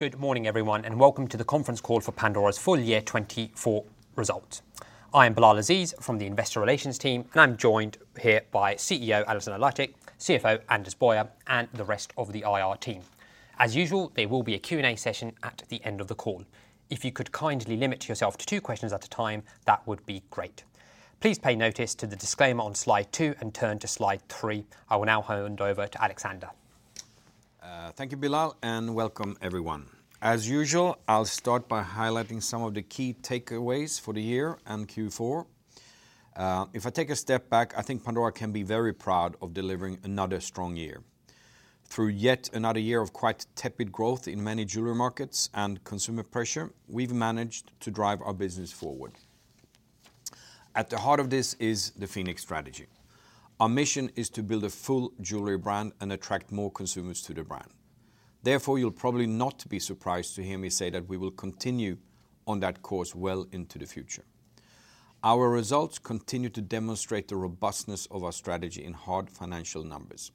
Good morning, everyone, and welcome to the conference call for Pandora's full year 2024 results. I am Bilal Aziz from the Investor Relations team, and I'm joined here by CEO Alexander Lacik, CFO Anders Boyer, and the rest of the IR team. As usual, there will be a Q&A session at the end of the call. If you could kindly limit yourself to two questions at a time, that would be great. Please pay attention to the disclaimer on slide two and turn to slide three. I will now hand over to Alexander. Thank you, Bilal, and welcome, everyone. As usual, I'll start by highlighting some of the key takeaways for the year and Q4. If I take a step back, I think Pandora can be very proud of delivering another strong year. Through yet another year of quite tepid growth in many jewelry markets and consumer pressure, we've managed to drive our business forward. At the heart of this is the Phoenix strategy. Our mission is to build a full jewelry brand and attract more consumers to the brand. Therefore, you'll probably not be surprised to hear me say that we will continue on that course well into the future. Our results continue to demonstrate the robustness of our strategy in hard financial numbers.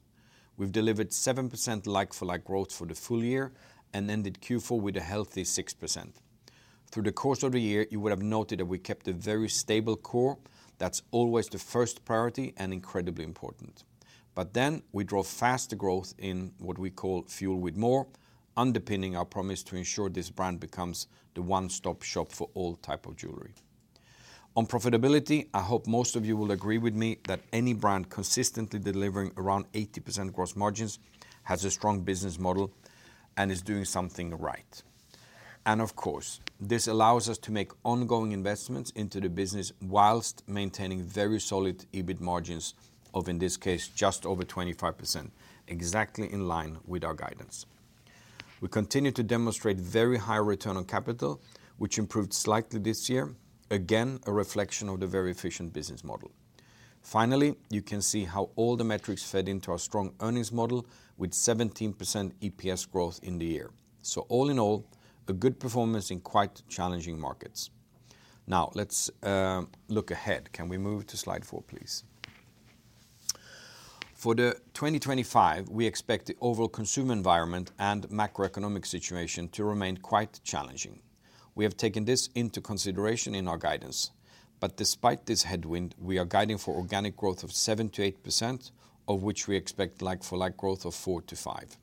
We've delivered 7% like-for-like growth for the full year and ended Q4 with a healthy 6%. Through the course of the year, you would have noted that we kept a very stable Core that's always the first priority and incredibly important. But then we drove fast growth in what we call Fuel with More, underpinning our promise to ensure this brand becomes the one-stop shop for all types of jewelry. On profitability, I hope most of you will agree with me that any brand consistently delivering around 80% gross margins has a strong business model and is doing something right. And of course, this allows us to make ongoing investments into the business while maintaining very solid EBIT margins of, in this case, just over 25%, exactly in line with our guidance. We continue to demonstrate very high Return on Capital, which improved slightly this year, again a reflection of the very efficient business model. Finally, you can see how all the metrics fed into our strong earnings model with 17% EPS growth in the year. So all in all, a good performance in quite challenging markets. Now, let's look ahead. Can we move to slide four, please? For the 2025, we expect the overall consumer environment and macroeconomic situation to remain quite challenging. We have taken this into consideration in our guidance. But despite this headwind, we are guiding for organic growth of 7%-8%, of which we expect like-for-like growth of 4%-5%.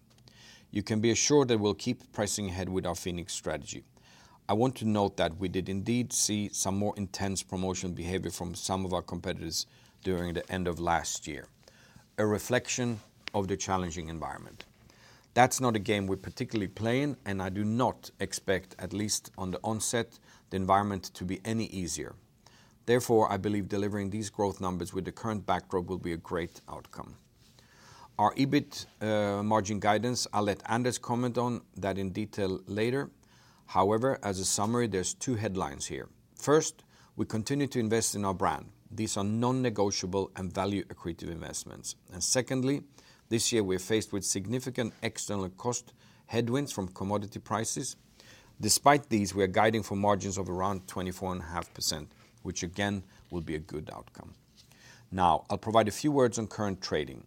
You can be assured that we'll keep pressing ahead with our Phoenix strategy. I want to note that we did indeed see some more intense promotional behavior from some of our competitors during the end of last year, a reflection of the challenging environment. That's not a game we're particularly playing, and I do not expect, at least on the onset, the environment to be any easier. Therefore, I believe delivering these growth numbers with the current backdrop will be a great outcome. Our EBIT margin guidance, I'll let Anders comment on that in detail later. However, as a summary, there's two headlines here. First, we continue to invest in our brand. These are non-negotiable and value-accretive investments. And secondly, this year we're faced with significant external cost headwinds from commodity prices. Despite these, we are guiding for margins of around 24.5%, which again will be a good outcome. Now, I'll provide a few words on current trading.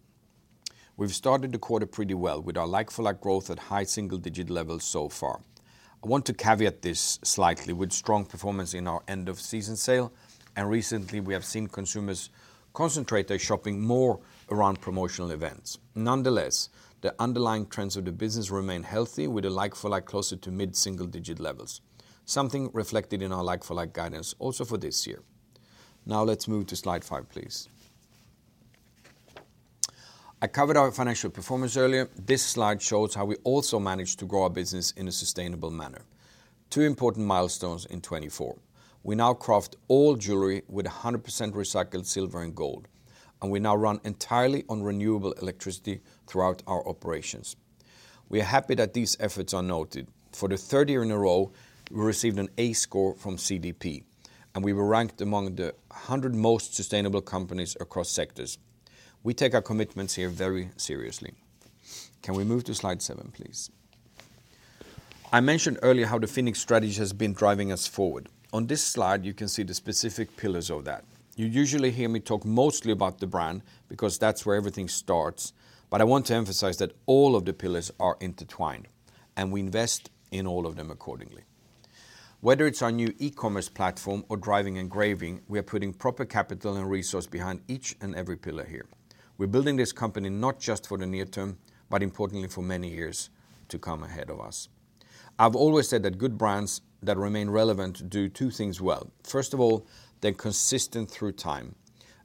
We've started the quarter pretty well with our like-for-like growth at high single-digit levels so far. I want to caveat this slightly with strong performance in our end-of-season sale, and recently we have seen consumers concentrate their shopping more around promotional events. Nonetheless, the underlying trends of the business remain healthy with a like-for-like closer to mid-single-digit levels, something reflected in our like-for-like guidance also for this year. Now, let's move to slide five, please. I covered our financial performance earlier. This slide shows how we also managed to grow our business in a sustainable manner. Two important milestones in 2024. We now craft all jewelry with 100% recycled silver and gold, and we now run entirely on renewable electricity throughout our operations. We are happy that these efforts are noted. For the third year in a row, we received an A score from CDP, and we were ranked among the 100 most sustainable companies across sectors. We take our commitments here very seriously. Can we move to slide seven, please? I mentioned earlier how the Phoenix strategy has been driving us forward. On this slide, you can see the specific pillars of that. You usually hear me talk mostly about the brand because that's where everything starts, but I want to emphasize that all of the pillars are intertwined, and we invest in all of them accordingly. Whether it's our new e-commerce platform or driving engraving, we are putting proper capital and resources behind each and every pillar here. We're building this company not just for the near term, but importantly for many years to come ahead of us. I've always said that good brands that remain relevant do two things well. First of all, they're consistent through time,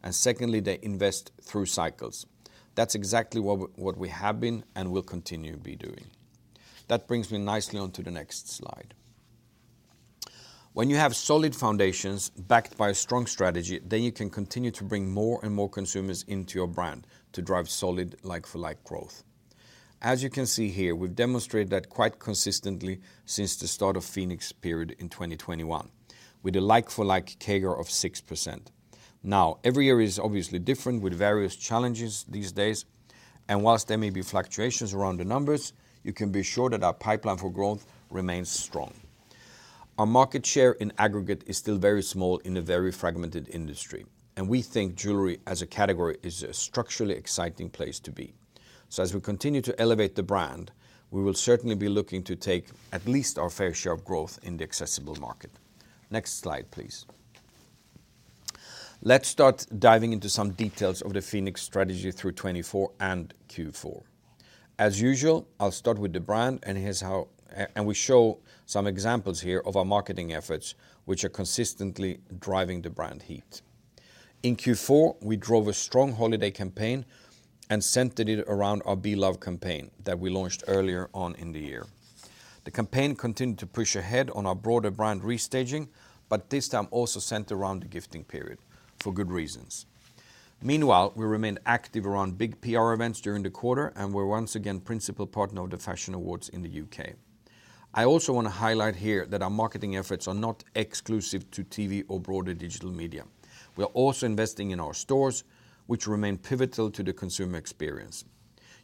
and secondly, they invest through cycles. That's exactly what we have been and will continue to be doing. That brings me nicely on to the next slide. When you have solid foundations backed by a strong strategy, then you can continue to bring more and more consumers into your brand to drive solid like-for-like growth. As you can see here, we've demonstrated that quite consistently since the start of the Phoenix period in 2021 with a like-for-like CAGR of 6%. Now, every year is obviously different with various challenges these days, and while there may be fluctuations around the numbers, you can be sure that our pipeline for growth remains strong. Our market share in aggregate is still very small in a very fragmented industry, and we think jewelry as a category is a structurally exciting place to be. So as we continue to elevate the brand, we will certainly be looking to take at least our fair share of growth in the accessible market. Next slide, please. Let's start diving into some details of the Phoenix strategy through 2024 and Q4. As usual, I'll start with the brand, and we show some examples here of our marketing efforts which are consistently driving the brand heat. In Q4, we drove a strong holiday campaign and centered it around our BE LOVE campaign that we launched earlier on in the year. The campaign continued to push ahead on our broader brand restaging, but this time also centered around the gifting period for good reasons. Meanwhile, we remained active around big PR events during the quarter, and we're once again a principal partner of the Fashion Awards in the U.K. I also want to highlight here that our marketing efforts are not exclusive to TV or broader digital media. We're also investing in our stores, which remain pivotal to the consumer experience.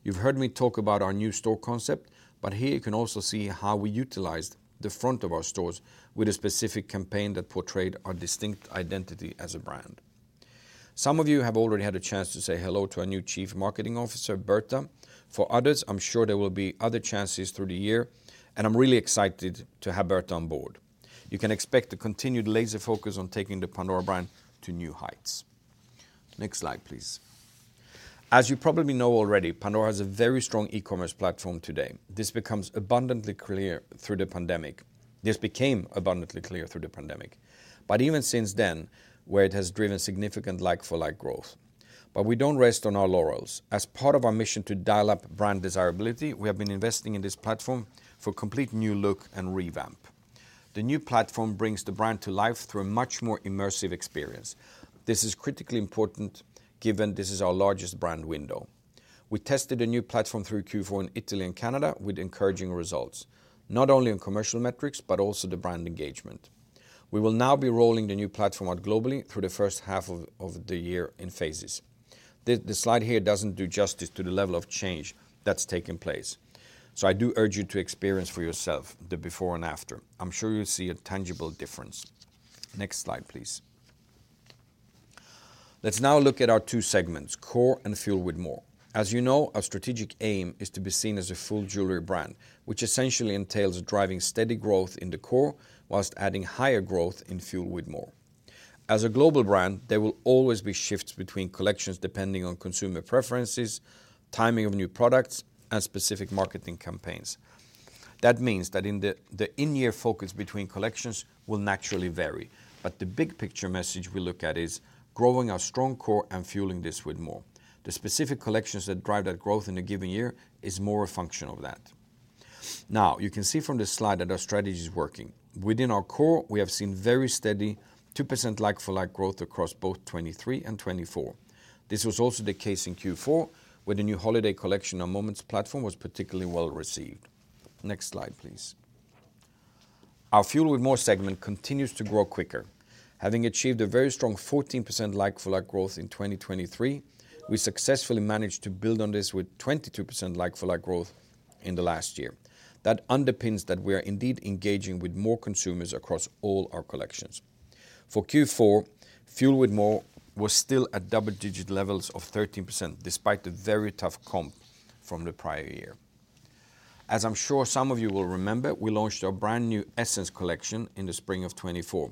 You've heard me talk about our new store concept, but here you can also see how we utilized the front of our stores with a specific campaign that portrayed our distinct identity as a brand. Some of you have already had a chance to say hello to our new Chief Marketing Officer, Berta. For others, I'm sure there will be other chances through the year, and I'm really excited to have Berta on board. You can expect a continued laser focus on taking the Pandora brand to new heights. Next slide, please. As you probably know already, Pandora has a very strong e-commerce platform today. This becomes abundantly clear through the pandemic. This became abundantly clear through the pandemic, but even since then, where it has driven significant like-for-like growth. But we don't rest on our laurels. As part of our mission to dial up brand desirability, we have been investing in this platform for a complete new look and revamp. The new platform brings the brand to life through a much more immersive experience. This is critically important given this is our largest brand window. We tested the new platform through Q4 in Italy and Canada with encouraging results, not only in commercial metrics, but also the brand engagement. We will now be rolling the new platform out globally through the first half of the year in phases. The slide here doesn't do justice to the level of change that's taken place. So I do urge you to experience for yourself the before and after. I'm sure you'll see a tangible difference. Next slide, please. Let's now look at our two segments, Core and Fuel with More. As you know, our strategic aim is to be seen as a full jewelry brand, which essentially entails driving steady growth in the Core while adding higher growth in Fuel with More. As a global brand, there will always be shifts between collections depending on consumer preferences, timing of new products, and specific marketing campaigns. That means that the in-year focus between collections will naturally vary, but the big picture message we look at is growing our strong Core and fueling this with more. The specific collections that drive that growth in a given year is more a function of that. Now, you can see from this slide that our strategy is working. Within our Core, we have seen very steady 2% like-for-like growth across both 2023 and 2024. This was also the case in Q4, where the new holiday collection and Moments platform was particularly well received. Next slide, please. Our Fuel with More segment continues to grow quicker. Having achieved a very strong 14% like-for-like growth in 2023, we successfully managed to build on this with 22% like-for-like growth in the last year. That underpins that we are indeed engaging with more consumers across all our collections. For Q4, Fuel with More was still at double-digit levels of 13% despite the very tough comp from the prior year. As I'm sure some of you will remember, we launched our brand new ESSENCE collection in the spring of 2024,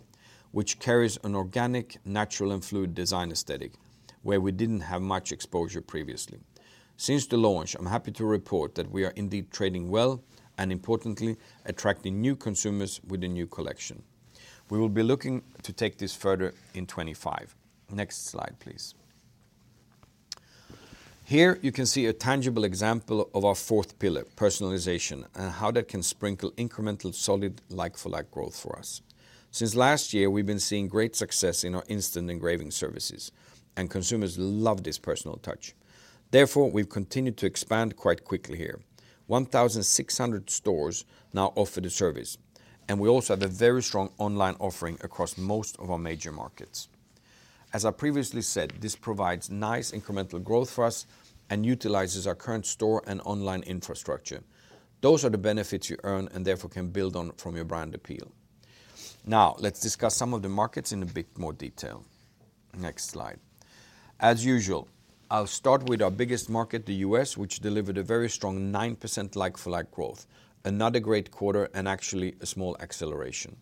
which carries an organic, natural, and fluid design aesthetic where we didn't have much exposure previously. Since the launch, I'm happy to report that we are indeed trading well and, importantly, attracting new consumers with the new collection. We will be looking to take this further in 2025. Next slide, please. Here you can see a tangible example of our fourth pillar, personalization, and how that can sprinkle incremental solid like-for-like growth for us. Since last year, we've been seeing great success in our instant engraving services, and consumers love this personal touch. Therefore, we've continued to expand quite quickly here. 1,600 stores now offer the service, and we also have a very strong online offering across most of our major markets. As I previously said, this provides nice incremental growth for us and utilizes our current store and online infrastructure. Those are the benefits you earn and therefore can build on from your brand appeal. Now, let's discuss some of the markets in a bit more detail. Next slide. As usual, I'll start with our biggest market, the U.S., which delivered a very strong 9% like-for-like growth, another great quarter, and actually a small acceleration.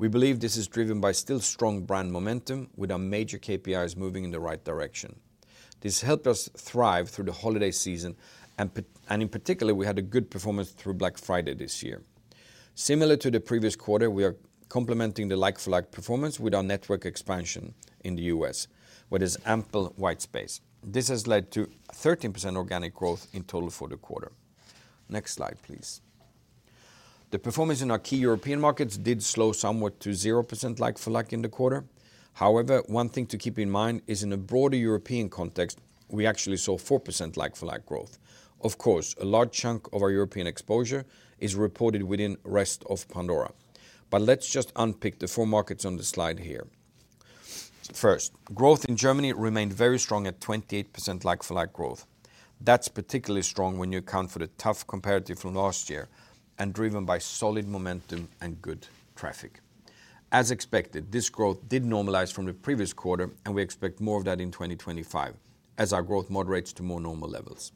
We believe this is driven by still strong brand momentum with our major KPIs moving in the right direction. This helped us thrive through the holiday season, and in particular, we had a good performance through Black Friday this year. Similar to the previous quarter, we are complementing the like-for-like performance with our network expansion in the U.S., where there's ample white space. This has led to 13% organic growth in total for the quarter. Next slide, please. The performance in our key European markets did slow somewhat to 0% like-for-like in the quarter. However, one thing to keep in mind is in a broader European context, we actually saw 4% like-for-like growth. Of course, a large chunk of our European exposure is reported within the rest of Pandora, but let's just unpick the four markets on the slide here. First, growth in Germany remained very strong at 28% like-for-like growth. That's particularly strong when you account for the tough comparative from last year and driven by solid momentum and good traffic. As expected, this growth did normalize from the previous quarter, and we expect more of that in 2025 as our growth moderates to more normal levels.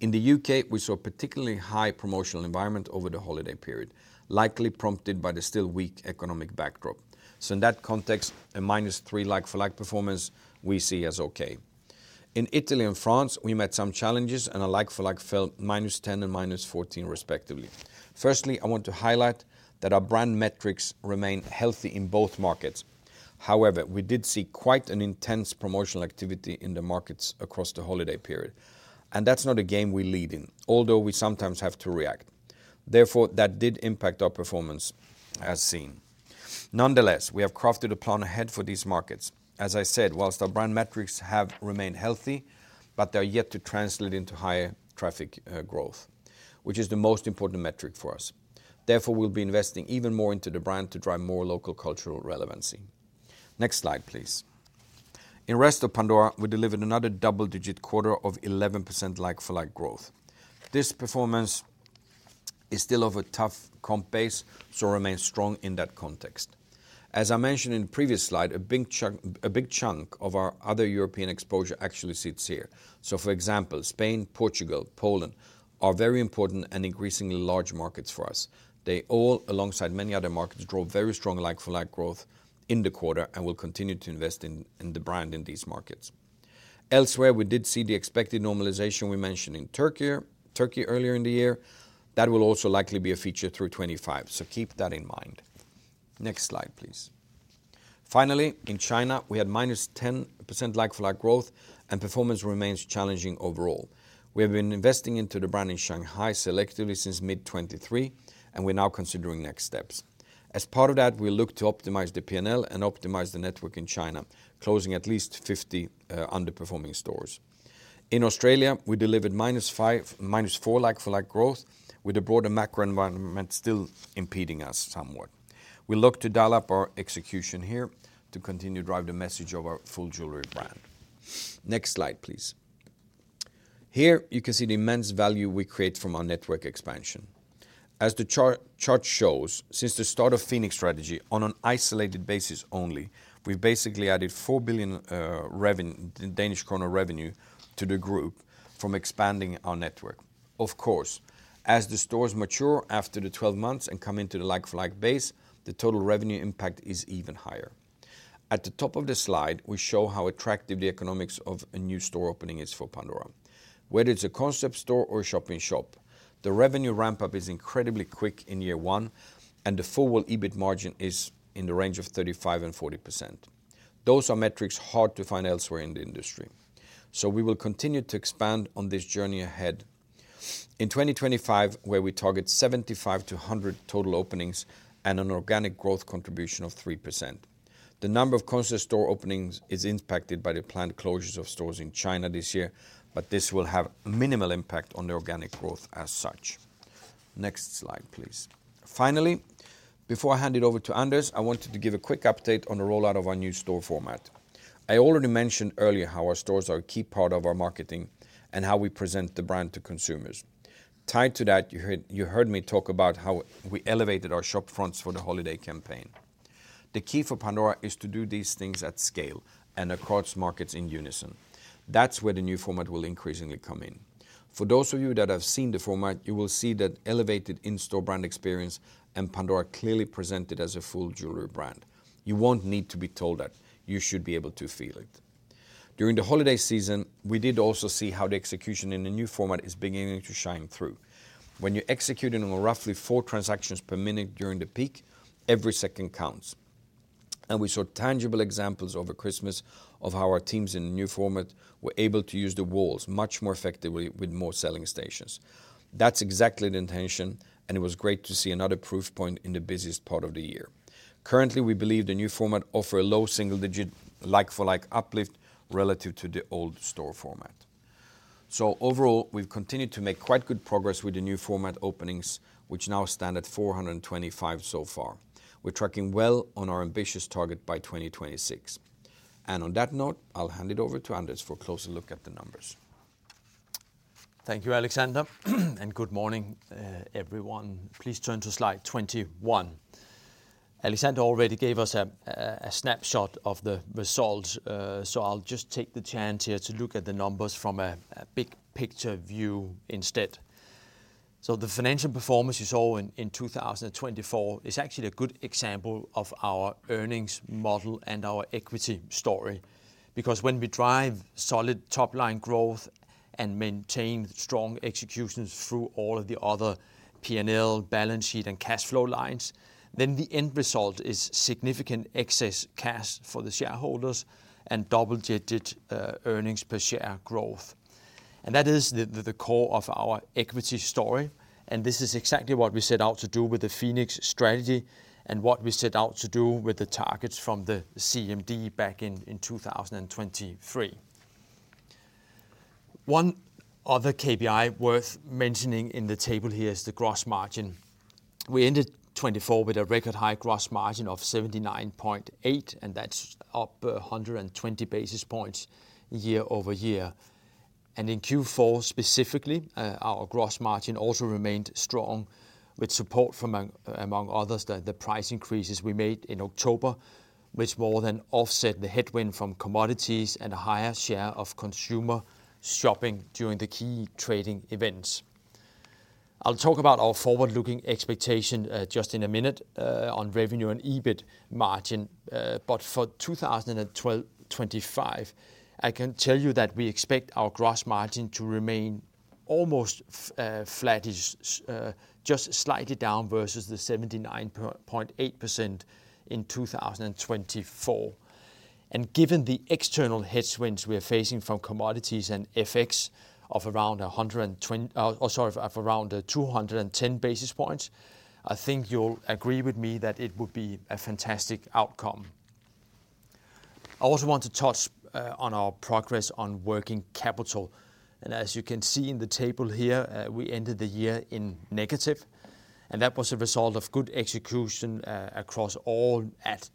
In the U.K., we saw a particularly high promotional environment over the holiday period, likely prompted by the still weak economic backdrop. So in that context, a -3% like-for-like performance we see as okay. In Italy and France, we met some challenges, and our like-for-like fell -10% and -14% respectively. Firstly, I want to highlight that our brand metrics remain healthy in both markets. However, we did see quite an intense promotional activity in the markets across the holiday period, and that's not a game we lead in, although we sometimes have to react. Therefore, that did impact our performance as seen. Nonetheless, we have crafted a plan ahead for these markets. As I said, while our brand metrics have remained healthy, they are yet to translate into higher traffic growth, which is the most important metric for us. Therefore, we'll be investing even more into the brand to drive more local cultural relevancy. Next slide, please. In the rest of Pandora, we delivered another double-digit quarter of 11% like-for-like growth. This performance is still of a tough comp base, so it remains strong in that context. As I mentioned in the previous slide, a big chunk of our other European exposure actually sits here. For example, Spain, Portugal, and Poland are very important and increasingly large markets for us. They all, alongside many other markets, drove very strong like-for-like growth in the quarter and will continue to invest in the brand in these markets. Elsewhere, we did see the expected normalisation we mentioned in Turkey earlier in the year. That will also likely be a feature through 2025, so keep that in mind. Next slide, please. Finally, in China, we had -10% like-for-like growth, and performance remains challenging overall. We have been investing into the brand in Shanghai selectively since mid-2023, and we're now considering next steps. As part of that, we look to optimize the P&L and optimize the network in China, closing at least 50 underperforming stores. In Australia, we delivered -4 like-for-like growth, with the broader macro environment still impeding us somewhat. We look to dial up our execution here to continue to drive the message of our full jewelry brand. Next slide, please. Here you can see the immense value we create from our network expansion. As the chart shows, since the start of the Phoenix strategy, on an isolated basis only, we've basically added 4 billion revenue to the group from expanding our network. Of course, as the stores mature after the 12 months and come into the like-for-like base, the total revenue impact is even higher. At the top of the slide, we show how attractive the economics of a new store opening is for Pandora. Whether it's a concept store or a shop-in-shop, the revenue ramp-up is incredibly quick in year one, and the forward EBIT margin is in the range of 35%-40%. Those are metrics hard to find elsewhere in the industry. We will continue to expand on this journey ahead in 2025, where we target 75-100 total openings and an organic growth contribution of 3%. The number of concept store openings is impacted by the planned closures of stores in China this year, but this will have minimal impact on the organic growth as such. Next slide, please. Finally, before I hand it over to Anders, I wanted to give a quick update on the rollout of our new store format. I already mentioned earlier how our stores are a key part of our marketing and how we present the brand to consumers. Tied to that, you heard me talk about how we elevated our shop fronts for the holiday campaign. The key for Pandora is to do these things at scale and across markets in unison. That's where the new format will increasingly come in. For those of you that have seen the format, you will see that elevated in-store brand experience and Pandora clearly presented as a full jewelry brand. You won't need to be told that. You should be able to feel it. During the holiday season, we did also see how the execution in the new format is beginning to shine through. When you execute in roughly four transactions per minute during the peak, every second counts, and we saw tangible examples over Christmas of how our teams in the new format were able to use the walls much more effectively with more selling stations. That's exactly the intention, and it was great to see another proof point in the busiest part of the year. Currently, we believe the new format offers a low single-digit like-for-like uplift relative to the old store format. So overall, we've continued to make quite good progress with the new format openings, which now stand at 425 so far. We're tracking well on our ambitious target by 2026. And on that note, I'll hand it over to Anders for a closer look at the numbers. Thank you, Alexander, and good morning, everyone. Please turn to slide 21. Alexander already gave us a snapshot of the results, so I'll just take the chance here to look at the numbers from a big picture view instead. So the financial performance you saw in 2024 is actually a good example of our earnings model and our equity story. Because when we drive solid top-line growth and maintain strong executions through all of the other P&L, balance sheet, and cash flow lines, then the end result is significant excess cash for the shareholders and double-digit earnings per share growth. That is the core of our equity story, and this is exactly what we set out to do with the Phoenix strategy and what we set out to do with the targets from the CMD back in 2023. One other KPI worth mentioning in the table here is the gross margin. We ended 2024 with a record high gross margin of 79.8%, and that's up 120 basis points year over year. In Q4 specifically, our gross margin also remained strong with support from, among others, the price increases we made in October, which more than offset the headwind from commodities and a higher share of consumer shopping during the key trading events. I'll talk about our forward-looking expectation just in a minute on revenue and EBIT margin, but for 2025, I can tell you that we expect our gross margin to remain almost flat, just slightly down versus the 79.8% in 2024, and given the external headwinds we are facing from commodities and FX of around 210 basis points, I think you'll agree with me that it would be a fantastic outcome. I also want to touch on our progress on working capital, and as you can see in the table here, we ended the year in negative, and that was a result of good execution across all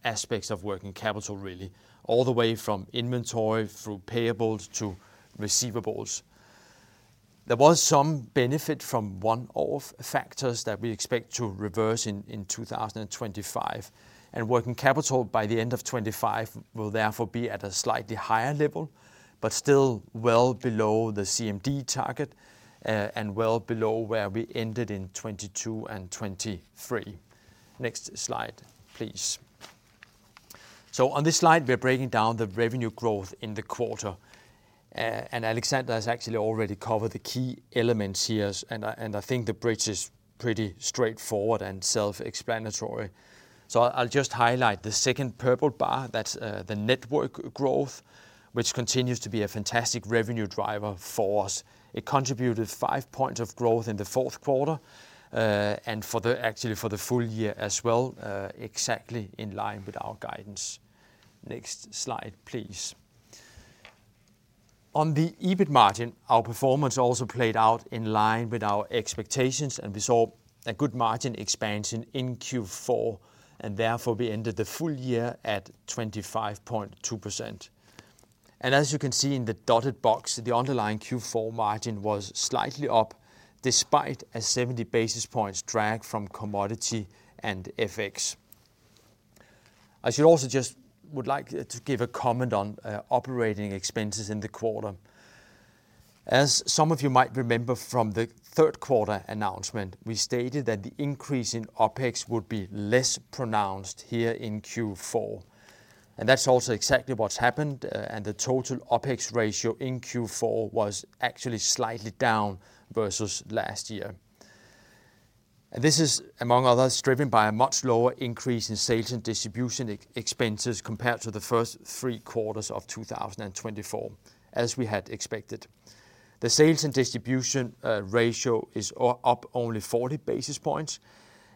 aspects of working capital, really, all the way from inventory through payables to receivables. There was some benefit from one-off factors that we expect to reverse in 2025, and working capital by the end of 2025 will therefore be at a slightly higher level, but still well below the CMD target and well below where we ended in 2022 and 2023. Next slide, please. So on this slide, we're breaking down the revenue growth in the quarter, and Alexander has actually already covered the key elements here, and I think the bridge is pretty straightforward and self-explanatory. So I'll just highlight the second purple bar, that's the network growth, which continues to be a fantastic revenue driver for us. It contributed five points of growth in the fourth quarter and actually for the full year as well, exactly in line with our guidance. Next slide, please. On the EBIT margin, our performance also played out in line with our expectations, and we saw a good margin expansion in Q4, and therefore we ended the full year at 25.2%, and as you can see in the dotted box, the underlying Q4 margin was slightly up despite a 70 basis points drag from commodity and FX. I should also just like to give a comment on operating expenses in the quarter, as some of you might remember from the third quarter announcement, we stated that the increase in OPEX would be less pronounced here in Q4, and that's also exactly what's happened, and the total OPEX ratio in Q4 was actually slightly down versus last year, and this is, among others, driven by a much lower increase in sales and distribution expenses compared to the first three quarters of 2024, as we had expected. The sales and distribution ratio is up only 40 basis points,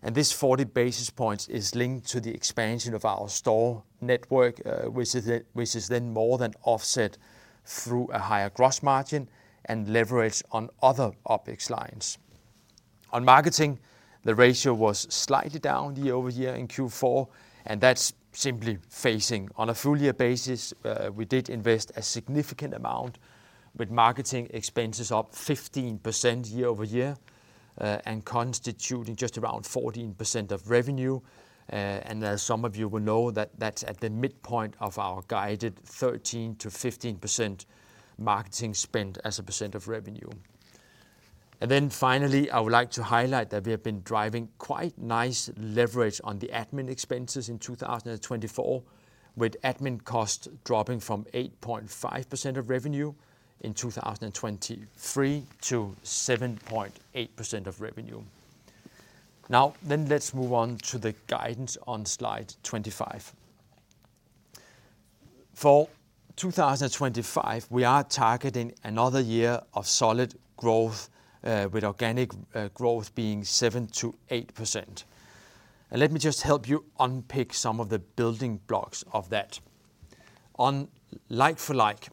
and this 40 basis points is linked to the expansion of our store network, which is then more than offset through a higher gross margin and leverage on other OPEX lines. On marketing, the ratio was slightly down year over year in Q4, and that's simply fading on a full-year basis. We did invest a significant amount with marketing expenses up 15% year over year, and constituting just around 14% of revenue. As some of you will know, that's at the midpoint of our guided 13% to 15% marketing spend as a percent of revenue. Then finally, I would like to highlight that we have been driving quite nice leverage on the admin expenses in 2024, with admin costs dropping from 8.5% of revenue in 2023 to 7.8% of revenue. Now, then let's move on to the guidance on slide 25. For 2025, we are targeting another year of solid growth, with organic growth being 7%-8%, and let me just help you unpick some of the building blocks of that. On like-for-like,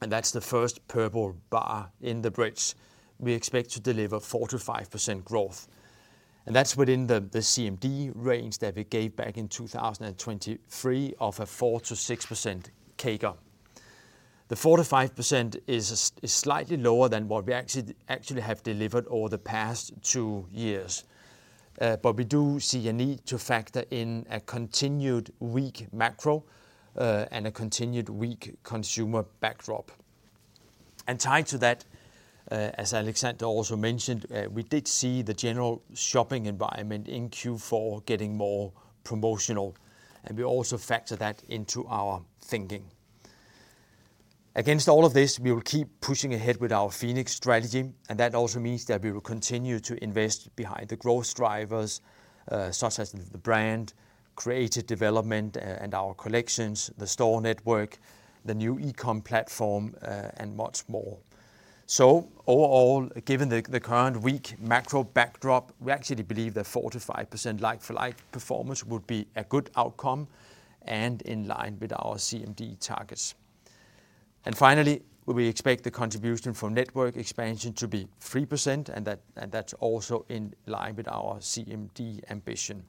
and that's the first purple bar in the bridge, we expect to deliver 4%-5% growth, and that's within the CMD range that we gave back in 2023 of a 4%-6% CAGR. The 4%-5% is slightly lower than what we actually have delivered over the past two years, but we do see a need to factor in a continued weak macro and a continued weak consumer backdrop, and tied to that, as Alexander also mentioned, we did see the general shopping environment in Q4 getting more promotional, and we also factor that into our thinking. Against all of this, we will keep pushing ahead with our Phoenix strategy, and that also means that we will continue to invest behind the growth drivers such as the brand, creative development, and our collections, the store network, the new e-comm platform, and much more. So overall, given the current weak macro backdrop, we actually believe that 4%-5% like-for-like performance would be a good outcome and in line with our CMD targets. And finally, we expect the contribution from network expansion to be 3%, and that's also in line with our CMD ambition.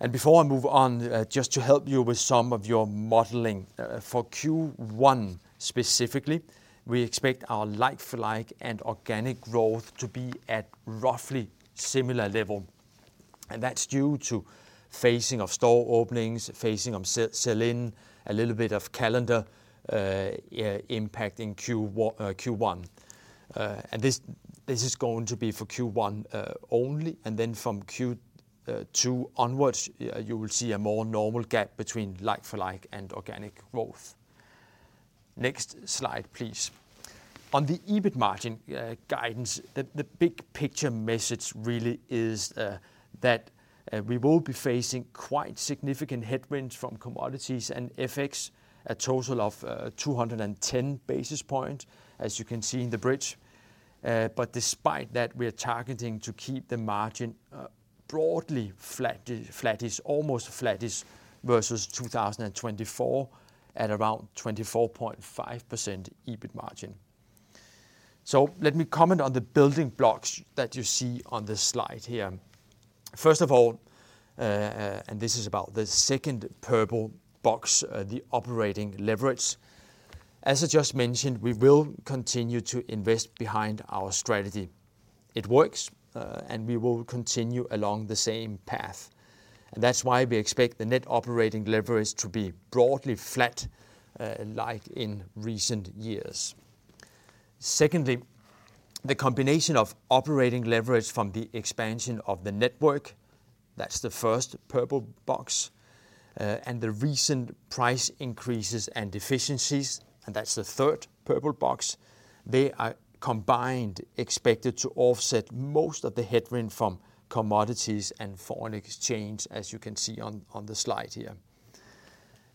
And before I move on, just to help you with some of your modeling, for Q1 specifically, we expect our like-for-like and organic growth to be at roughly similar level. And that's due to phasing of store openings, phasing of sell-in, a little bit of calendar impact in Q1. This is going to be for Q1 only, and then from Q2 onwards, you will see a more normal gap between like-for-like and organic growth. Next slide, please. On the EBIT margin guidance, the big picture message really is that we will be facing quite significant headwinds from commodities and FX, a total of 210 basis points, as you can see in the bridge. But despite that, we are targeting to keep the margin broadly flat, almost flat versus 2024 at around 24.5% EBIT margin. Let me comment on the building blocks that you see on the slide here. First of all, and this is about the second purple box, the operating leverage. As I just mentioned, we will continue to invest behind our strategy. It works, and we will continue along the same path. And that's why we expect the net operating leverage to be broadly flat like in recent years. Secondly, the combination of operating leverage from the expansion of the network, that's the first purple box, and the recent price increases and efficiencies, and that's the third purple box, they are combined, expected to offset most of the headwind from commodities and foreign exchange, as you can see on the slide here.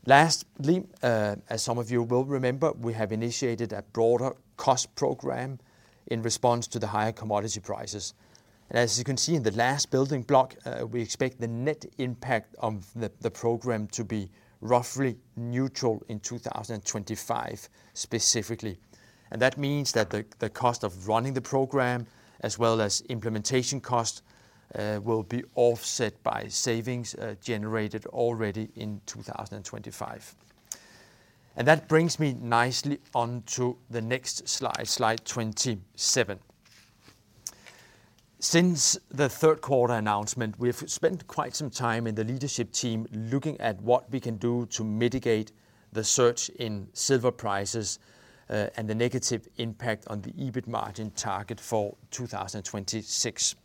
Lastly, as some of you will remember, we have initiated a broader cost program in response to the higher commodity prices. And as you can see in the last building block, we expect the net impact of the program to be roughly neutral in 2025 specifically. And that means that the cost of running the program, as well as implementation cost, will be offset by savings generated already in 2025. That brings me nicely onto the next slide, slide 27. Since the third quarter announcement, we have spent quite some time in the leadership team looking at what we can do to mitigate the surge in silver prices and the negative impact on the EBIT margin target for 2026.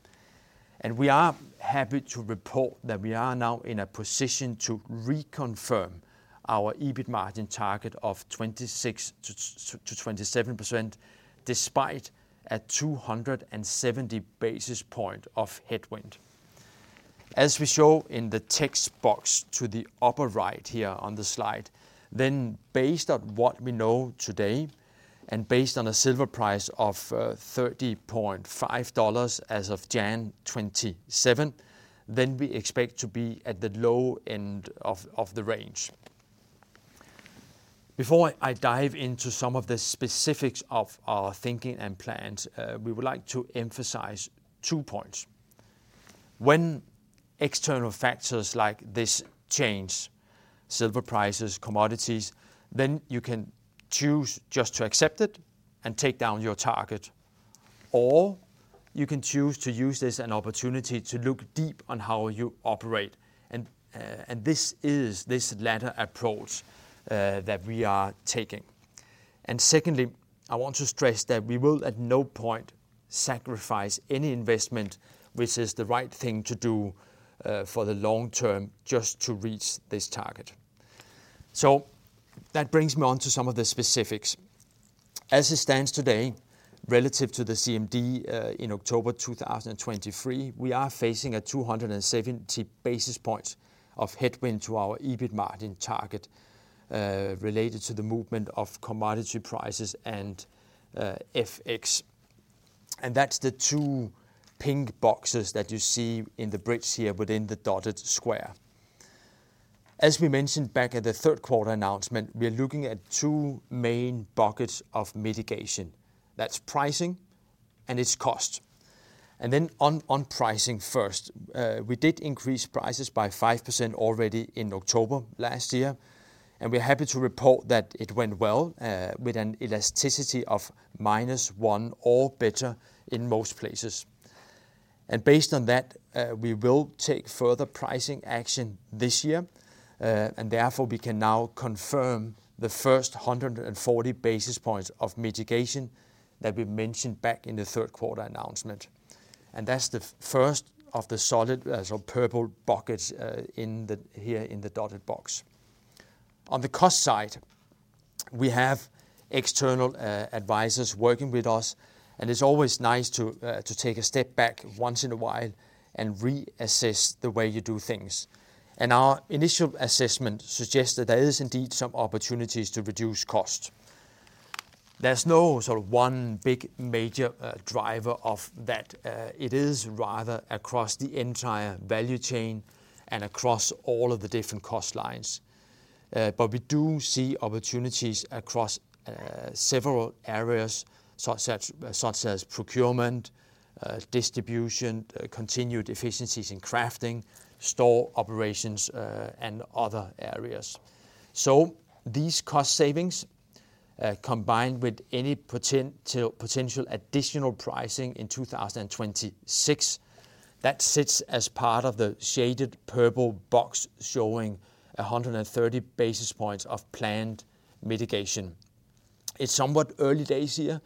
We are happy to report that we are now in a position to reconfirm our EBIT margin target of 26%-27% despite a 270 basis points headwind. As we show in the text box to the upper right here on the slide, then based on what we know today and based on a silver price of $30.5 as of January 27, then we expect to be at the low end of the range. Before I dive into some of the specifics of our thinking and plans, we would like to emphasize two points. When external factors like this change, silver prices, commodities, then you can choose just to accept it and take down your target, or you can choose to use this as an opportunity to look deep on how you operate. And this is this latter approach that we are taking. And secondly, I want to stress that we will at no point sacrifice any investment, which is the right thing to do for the long term just to reach this target. So that brings me on to some of the specifics. As it stands today, relative to the CMD in October 2023, we are facing 270 basis points of headwind to our EBIT margin target related to the movement of commodity prices and FX. And that's the two pink boxes that you see in the bridge here within the dotted square. As we mentioned back at the third quarter announcement, we are looking at two main buckets of mitigation. That's pricing and its cost, and then on pricing first, we did increase prices by 5% already in October last year, and we're happy to report that it went well with an elasticity of minus one or better in most places, and based on that, we will take further pricing action this year, and therefore we can now confirm the first 140 basis points of mitigation that we mentioned back in the third quarter announcement, and that's the first of the solid purple buckets here in the dotted box. On the cost side, we have external advisors working with us, and it's always nice to take a step back once in a while and reassess the way you do things. Our initial assessment suggests that there is indeed some opportunities to reduce cost. There's no sort of one big major driver of that. It is rather across the entire value chain and across all of the different cost lines. We do see opportunities across several areas such as procurement, distribution, continued efficiencies in crafting, store operations, and other areas. These cost savings combined with any potential additional pricing in 2026, that sits as part of the shaded purple box showing 130 basis points of planned mitigation. It's somewhat early days here,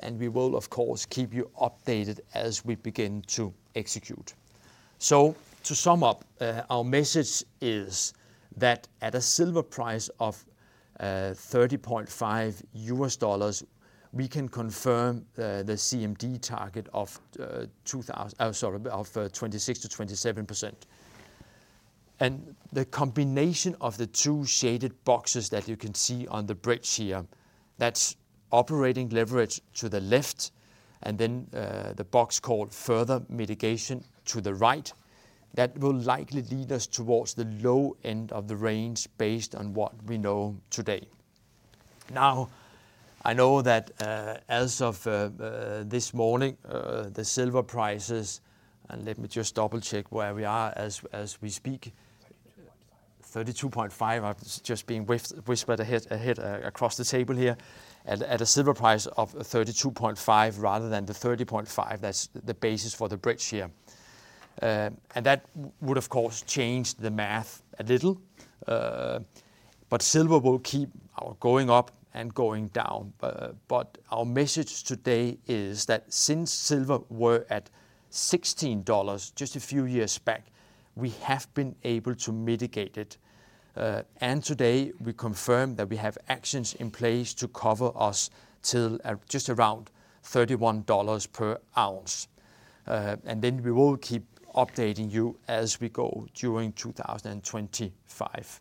and we will, of course, keep you updated as we begin to execute. To sum up, our message is that at a silver price of $30.5, we can confirm the CMD target of 26% to 27%. And the combination of the two shaded boxes that you can see on the bridge here, that's operating leverage to the left, and then the box called further mitigation to the right, that will likely lead us towards the low end of the range based on what we know today. Now, I know that as of this morning, the silver prices, and let me just double-check where we are as we speak. $32.5, I've just been whispered ahead across the table here, at a silver price of $32.5 rather than the $30.5, that's the basis for the bridge here. And that would, of course, change the math a little, but silver will keep going up and going down. But our message today is that since silver were at $16 just a few years back, we have been able to mitigate it. And today we confirm that we have actions in place to cover us till just around $31 per ounce. And then we will keep updating you as we go during 2025.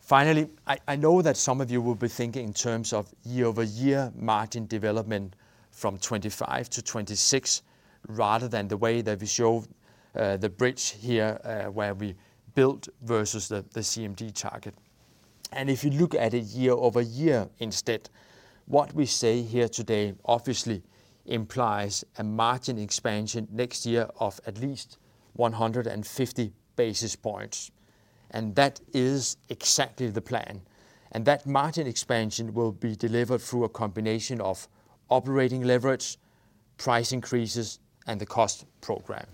Finally, I know that some of you will be thinking in terms of year-over-year margin development from 25 to 26, rather than the way that we show the bridge here where we built versus the CMD target. And if you look at it year-over-year instead, what we say here today obviously implies a margin expansion next year of at least 150 basis points. And that is exactly the plan. And that margin expansion will be delivered through a combination of operating leverage, price increases, and the cost program.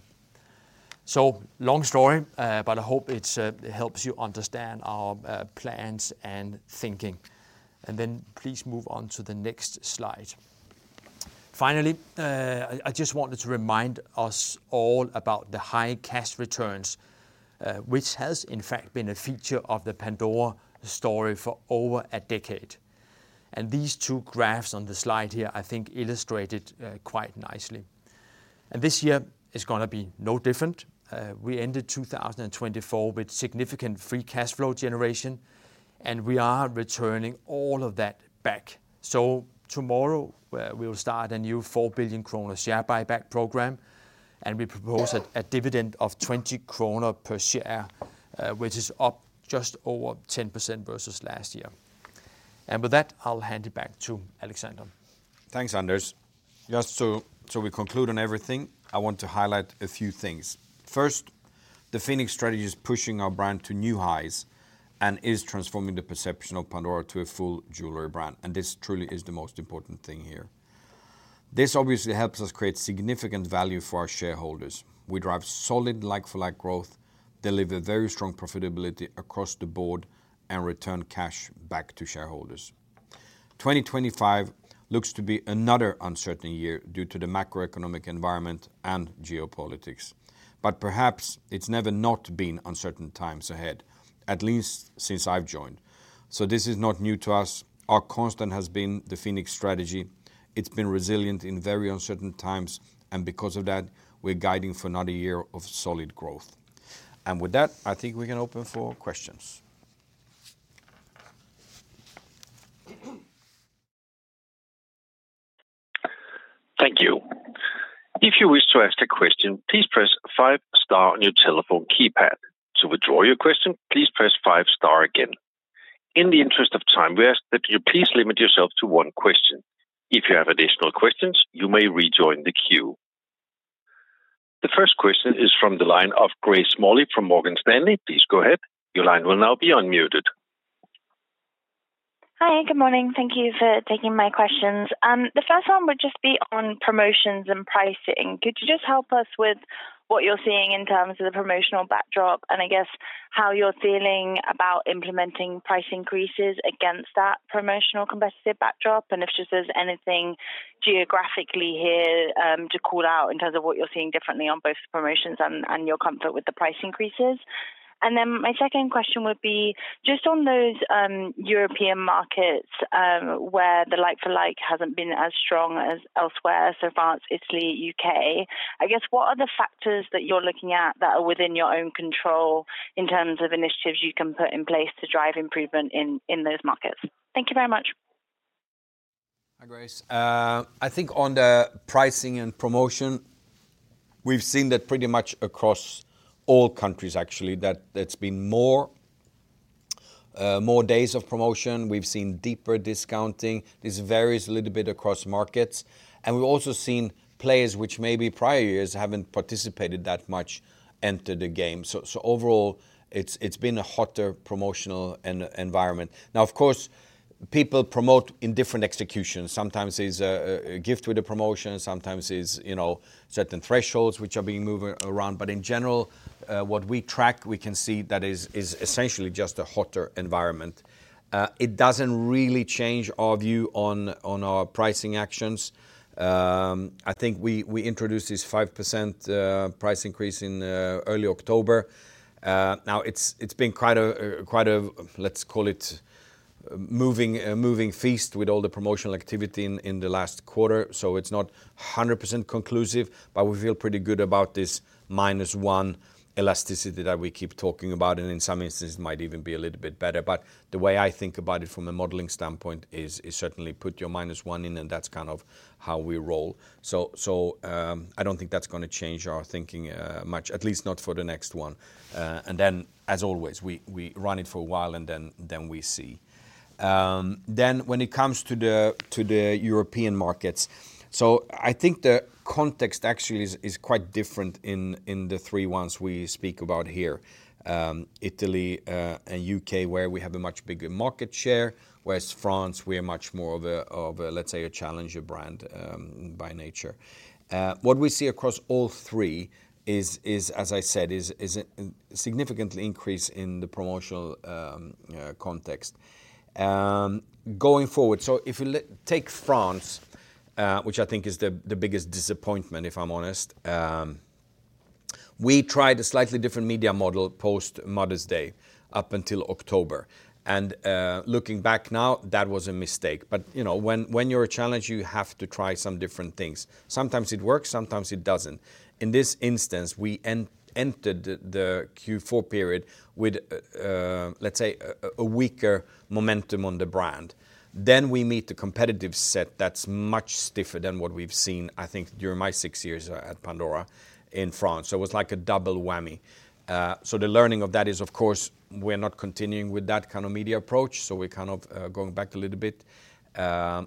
So long story, but I hope it helps you understand our plans and thinking. And then please move on to the next slide. Finally, I just wanted to remind us all about the high cash returns, which has in fact been a feature of the Pandora story for over a decade, and these two graphs on the slide here, I think, illustrate it quite nicely, and this year is going to be no different. We ended 2024 with significant free cash flow generation, and we are returning all of that back, so tomorrow we will start a new 4 billion kroner share buyback program, and we propose a dividend of 20 kroner per share, which is up just over 10% versus last year, and with that, I'll hand it back to Alexander. Thanks, Anders. Just so we conclude on everything, I want to highlight a few things. First, the Phoenix strategy is pushing our brand to new highs and is transforming the perception of Pandora to a full jewelry brand. And this truly is the most important thing here. This obviously helps us create significant value for our shareholders. We drive solid like-for-like growth, deliver very strong profitability across the board, and return cash back to shareholders. 2025 looks to be another uncertain year due to the macroeconomic environment and geopolitics. But perhaps it's never not been uncertain times ahead, at least since I've joined. So this is not new to us. Our constant has been the Phoenix strategy. It's been resilient in very uncertain times, and because of that, we're guiding for another year of solid growth. And with that, I think we can open for questions. Thank you. If you wish to ask a question, please press five-star on your telephone keypad. To withdraw your question, please press five-star again. In the interest of time, we ask that you please limit yourself to one question. If you have additional questions, you may rejoin the queue. The first question is from the line of Grace Smalley from Morgan Stanley. Please go ahead. Your line will now be unmuted. Hi, good morning. Thank you for taking my questions. The first one would just be on promotions and pricing. Could you just help us with what you're seeing in terms of the promotional backdrop and, I guess, how you're feeling about implementing price increases against that promotional competitive backdrop? And if just there's anything geographically here to call out in terms of what you're seeing differently on both the promotions and your comfort with the price increases. And then my second question would be just on those European markets where the like-for-like hasn't been as strong as elsewhere, so France, Italy, U.K. I guess, what are the factors that you're looking at that are within your own control in terms of initiatives you can put in place to drive improvement in those markets? Thank you very much. Hi, Grace. I think on the pricing and promotion, we've seen that pretty much across all countries, actually, that there's been more days of promotion. We've seen deeper discounting. This varies a little bit across markets, and we've also seen players, which maybe prior years haven't participated that much, enter the game, so overall, it's been a hotter promotional environment. Now, of course, people promote in different executions. Sometimes it's a gift with a promotion. Sometimes it's certain thresholds which are being moved around, but in general, what we track, we can see that is essentially just a hotter environment. It doesn't really change our view on our pricing actions. I think we introduced this 5% price increase in early October. Now, it's been quite a, let's call it, moving feast with all the promotional activity in the last quarter. So it's not 100% conclusive, but we feel pretty good about this minus one elasticity that we keep talking about. And in some instances, it might even be a little bit better. But the way I think about it from a modeling standpoint is certainly put your minus one in, and that's kind of how we roll. So I don't think that's going to change our thinking much, at least not for the next one. And then, as always, we run it for a while and then we see. When it comes to the European markets, so I think the context actually is quite different in the three ones we speak about here, Italy and U.K., where we have a much bigger market share, whereas France, we are much more of a, let's say, a challenger brand by nature. What we see across all three is, as I said, a significant increase in the promotional context going forward. If you take France, which I think is the biggest disappointment, if I'm honest, we tried a slightly different media model post Mother's Day up until October. Looking back now, that was a mistake. When you're a challenger, you have to try some different things. Sometimes it works, sometimes it doesn't. In this instance, we entered the Q4 period with, let's say, a weaker momentum on the brand. Then, we meet the competitive set that's much stiffer than what we've seen, I think, during my six years at Pandora in France. So, it was like a double whammy. So, the learning of that is, of course, we're not continuing with that kind of media approach. So, we're kind of going back a little bit.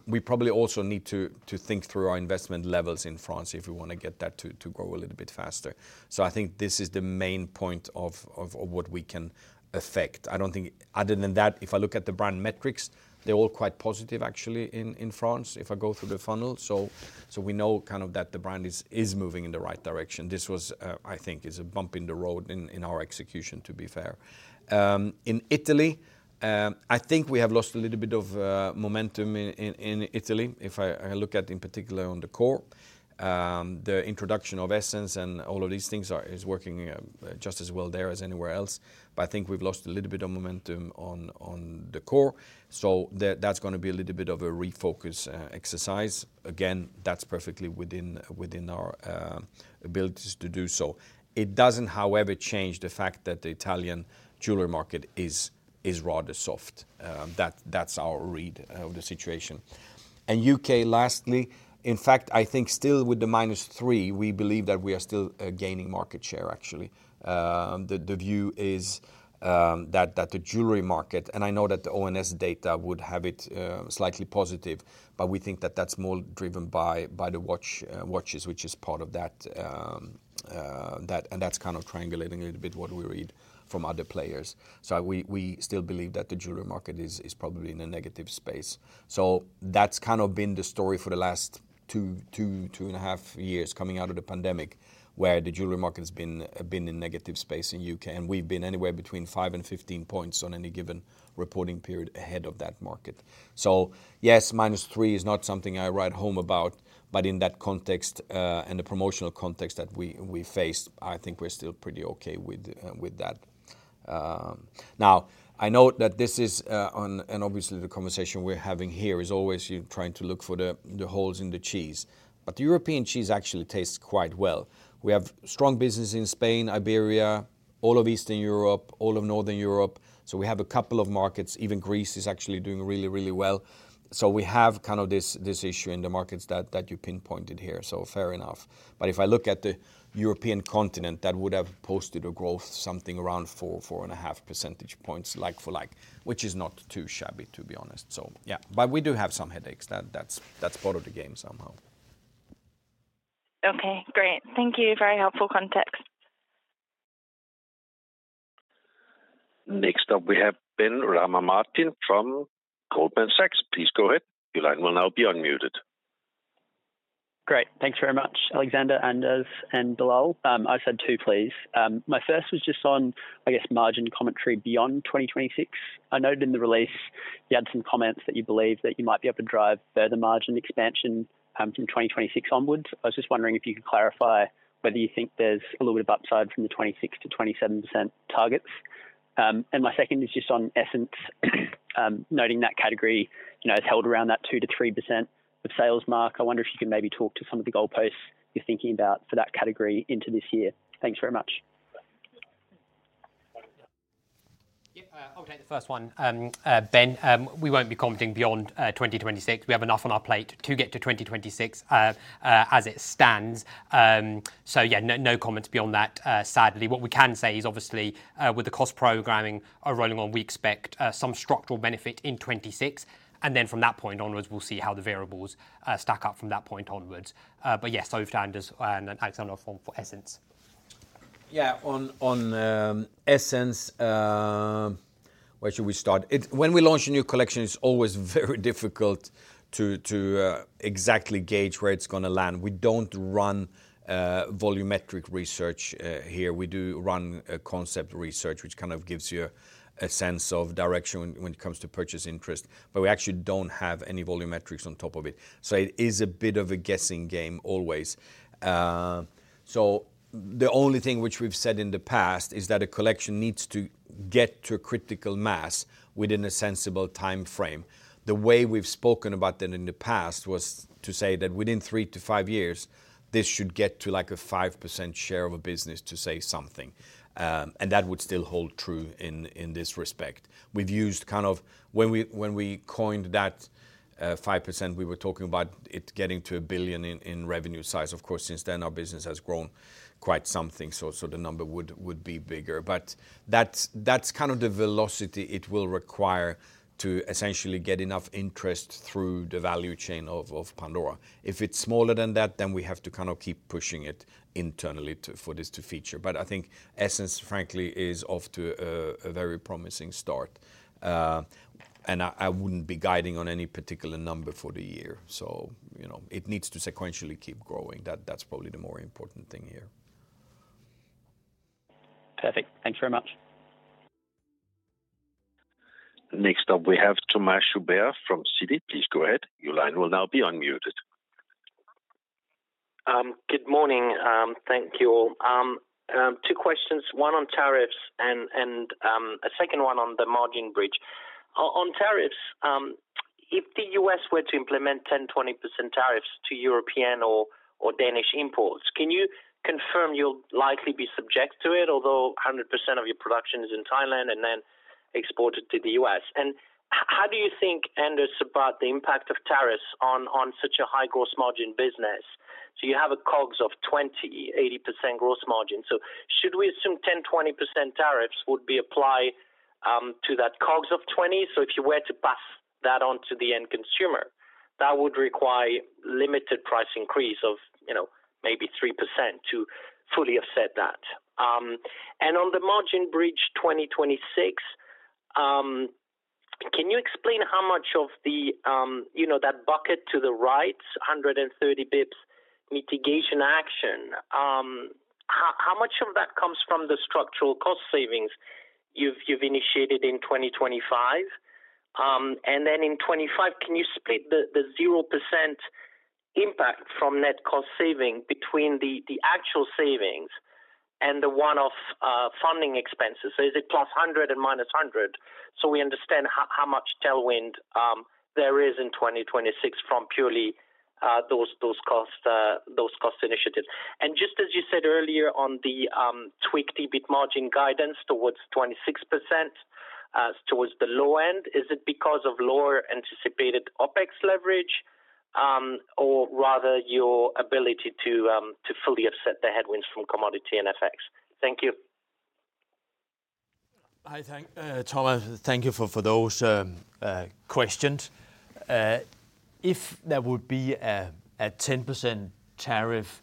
We probably also need to think through our investment levels in France if we want to get that to grow a little bit faster. So, I think this is the main point of what we can affect. I don't think, other than that, if I look at the brand metrics, they're all quite positive, actually, in France if I go through the funnel. So, we know kind of that the brand is moving in the right direction. This was, I think, is a bump in the road in our execution, to be fair. In Italy, I think we have lost a little bit of momentum in Italy. If I look at in particular on the Core, the introduction of ESSENCE and all of these things is working just as well there as anywhere else. But I think we've lost a little bit of momentum on the Core. So that's going to be a little bit of a refocus exercise. Again, that's perfectly within our abilities to do so. It doesn't, however, change the fact that the Italian jewelry market is rather soft. That's our read of the situation, and U.K., lastly, in fact, I think still with the minus three, we believe that we are still gaining market share, actually. The view is that the jewelry market, and I know that the ONS data would have it slightly positive, but we think that that's more driven by the watches, which is part of that. And that's kind of triangulating a little bit what we read from other players. So we still believe that the jewelry market is probably in a negative space. So that's kind of been the story for the last two, two and a half years coming out of the pandemic, where the jewelry market has been in negative space in U.K. And we've been anywhere between five and 15 points on any given reporting period ahead of that market. So yes, minus three is not something I write home about, but in that context and the promotional context that we faced, I think we're still pretty okay with that. Now, I note that this is, and obviously the conversation we're having here is always you're trying to look for the holes in the cheese. But the European cheese actually tastes quite well. We have strong business in Spain, Iberia, all of Eastern Europe, all of Northern Europe. So we have a couple of markets. Even Greece is actually doing really, really well. So we have kind of this issue in the markets that you pinpointed here. So fair enough. But if I look at the European continent, that would have posted a growth, something around four and a half percentage points like-for-like, which is not too shabby, to be honest. So yeah, but we do have some headaches. That's part of the game somehow. Okay, great. Thank you for helpful context. Next up, we have Ben Rada Martin from Goldman Sachs. Please go ahead. Your line will now be unmuted. Great. Thanks very much, Alexander, Anders, and Bilal. I have two, please. My first was just on, I guess, margin commentary beyond 2026. I noted in the release you had some comments that you believe that you might be able to drive further margin expansion from 2026 onwards. I was just wondering if you could clarify whether you think there's a little bit of upside from the 26%-27% targets. My second is just on ESSENCE, noting that category is held around that 2%-3% of sales mark. I wonder if you can maybe talk to some of the goalposts you're thinking about for that category into this year. Thanks very much. Yeah, I'll take the first one. Ben, we won't be commenting beyond 2026. We have enough on our plate to get to 2026 as it stands. So yeah, no comments beyond that, sadly. What we can say is obviously with the cost programming rolling on, we expect some structural benefit in 2026. And then from that point onwards, we'll see how the variables stack up from that point onwards. But yes, over to Anders and Alexander for ESSENCE. Yeah, on ESSENCE, where should we start? When we launch a new collection, it's always very difficult to exactly gauge where it's going to land. We don't run volumetric research here. We do run concept research, which kind of gives you a sense of direction when it comes to purchase interest. But we actually don't have any volumetrics on top of it. So it is a bit of a guessing game always. So the only thing which we've said in the past is that a collection needs to get to a critical mass within a sensible time frame. The way we've spoken about that in the past was to say that within three to five years, this should get to like a 5% share of a business to say something. And that would still hold true in this respect. We've used kind of when we coined that 5%, we were talking about it getting to a billion in revenue size. Of course, since then, our business has grown quite something. So the number would be bigger. But that's kind of the velocity it will require to essentially get enough interest through the value chain of Pandora. If it's smaller than that, then we have to kind of keep pushing it internally for this to feature. But I think ESSENCE, frankly, is off to a very promising start. And I wouldn't be guiding on any particular number for the year. So it needs to sequentially keep growing. That's probably the more important thing here. Perfect. Thanks very much. Next up, we have Thomas Chauvet from Citi. Please go ahead. Your line will now be unmuted. Good morning. Thank you all. Two questions. One on tariffs and a second one on the margin bridge. On tariffs, if the U.S. were to implement 10%-20% tariffs to European or Danish imports, can you confirm you'll likely be subject to it, although 100% of your production is in Thailand and then exported to the U.S.? And how do you think, Anders, about the impact of tariffs on such a high gross margin business? So you have a COGS of 20%, 80% gross margin. So should we assume 10%-20% tariffs would be applied to that COGS of 20%? So if you were to pass that on to the end consumer, that would require limited price increase of maybe 3% to fully offset that. And on the margin bridge 2026, can you explain how much of that bucket to the right, 130 basis points mitigation action, how much of that comes from the structural cost savings you've initiated in 2025? And then in 2025, can you split the 0% impact from net cost saving between the actual savings and the one-off funding expenses? So is it plus 100 and minus 100? So we understand how much tailwind there is in 2026 from purely those cost initiatives. And just as you said earlier on the 20 basis points margin guidance towards 26% towards the low end, is it because of lower anticipated OPEX leverage or rather your ability to fully offset the headwinds from commodity and FX? Thank you. Hi, Thomas. Thank you for those questions. If there would be a 10% tariff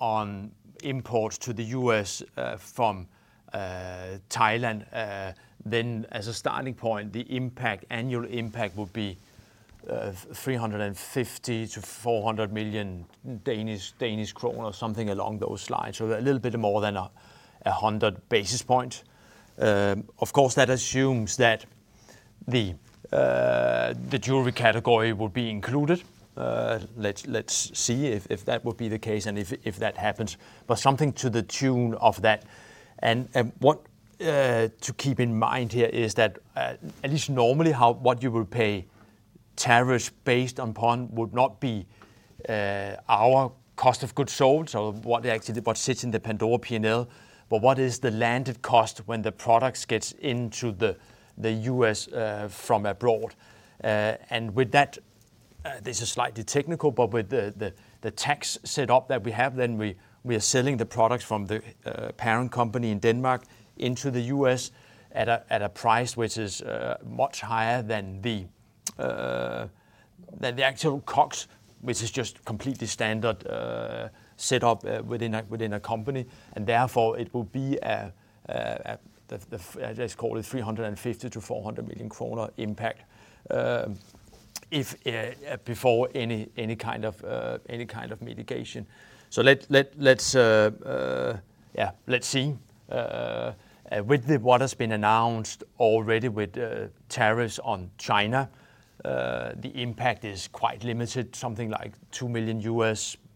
on imports to the U.S. from Thailand, then as a starting point, the annual impact would be 350 million-400 million or something along those lines. So a little bit more than 100 basis points. Of course, that assumes that the jewelry category would be included. Let's see if that would be the case and if that happens. But something to the tune of that. And what to keep in mind here is that at least normally what you will pay tariffs based upon would not be our cost of goods sold or what sits in the Pandora P&L, but what is the landed cost when the product gets into the U.S. from abroad. And with that, this is slightly technical, but with the tax setup that we have, then we are selling the products from the parent company in Denmark into the U.S. at a price which is much higher than the actual COGS, which is just completely standard setup within a company. And therefore, it will be a, let's call it 350 million-400 million kroner impact before any kind of mitigation. So yeah, let's see. With what has been announced already with tariffs on China, the impact is quite limited, something like $2 million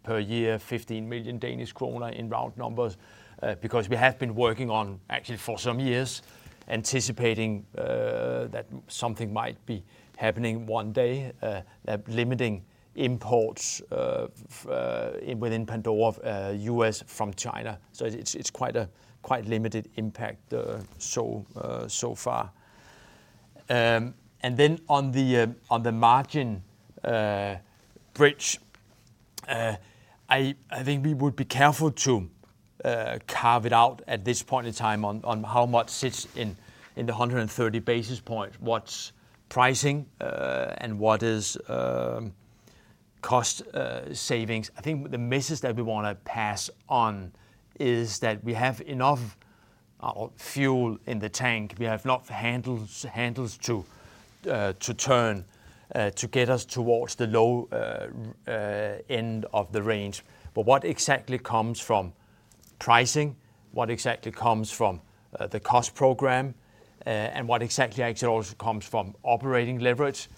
per year, 15 million Danish kroner in round numbers. Because we have been working on, actually for some years, anticipating that something might be happening one day, limiting imports within Pandora U.S. from China. So it's quite a limited impact so far. And then on the margin bridge, I think we would be careful to carve it out at this point in time on how much sits in the 130 basis points, what's pricing and what is cost savings. I think the message that we want to pass on is that we have enough fuel in the tank. We have enough handles to turn to get us towards the low end of the range. But what exactly comes from pricing? What exactly comes from the cost program? And what exactly actually also comes from operating leverage?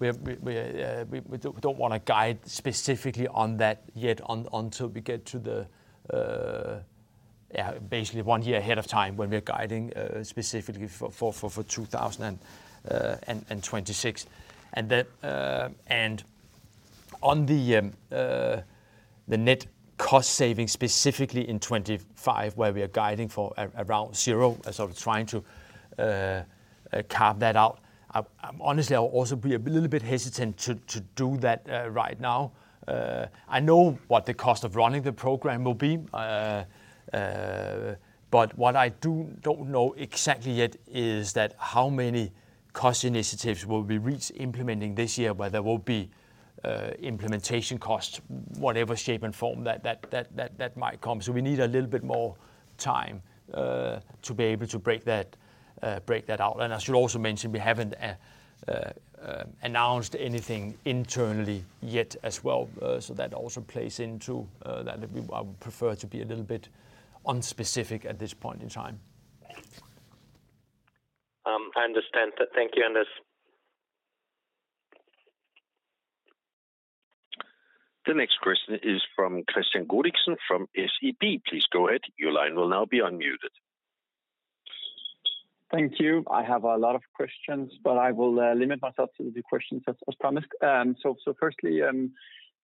We don't want to guide specifically on that yet until we get to the, yeah, basically one year ahead of time when we're guiding specifically for 2026. And on the net cost savings specifically in 2025, where we are guiding for around zero, as I was trying to carve that out. Honestly, I'll also be a little bit hesitant to do that right now. I know what the cost of running the program will be. But what I don't know exactly yet is that how many cost initiatives will we reach implementing this year, where there will be implementation costs, whatever shape and form that might come. So we need a little bit more time to be able to break that out. And I should also mention we haven't announced anything internally yet as well. So that also plays into that I would prefer to be a little bit unspecific at this point in time. I understand that. Thank you, Anders. The next question is from Kristian Godiksen from SEB. Please go ahead. Your line will now be unmuted. Thank you. I have a lot of questions, but I will limit myself to the questions as promised. So firstly,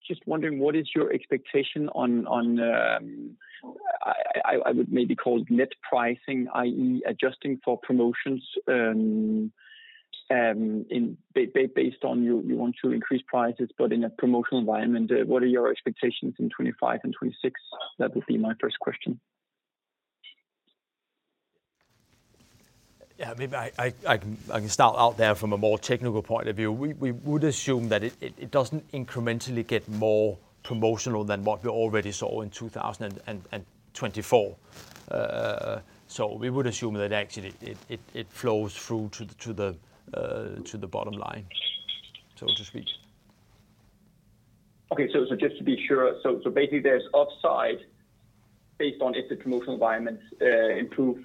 just wondering, what is your expectation on, I would maybe call it net pricing, i.e., adjusting for promotions based on you want to increase prices, but in a promotional environment? What are your expectations in 2025 and 2026? That would be my first question. Yeah, maybe I can start out there from a more technical point of view. We would assume that it doesn't incrementally get more promotional than what we already saw in 2024. So we would assume that actually it flows through to the bottom line, so to speak. Okay, so just to be sure, so basically there's upside based on if the promotional environment improves.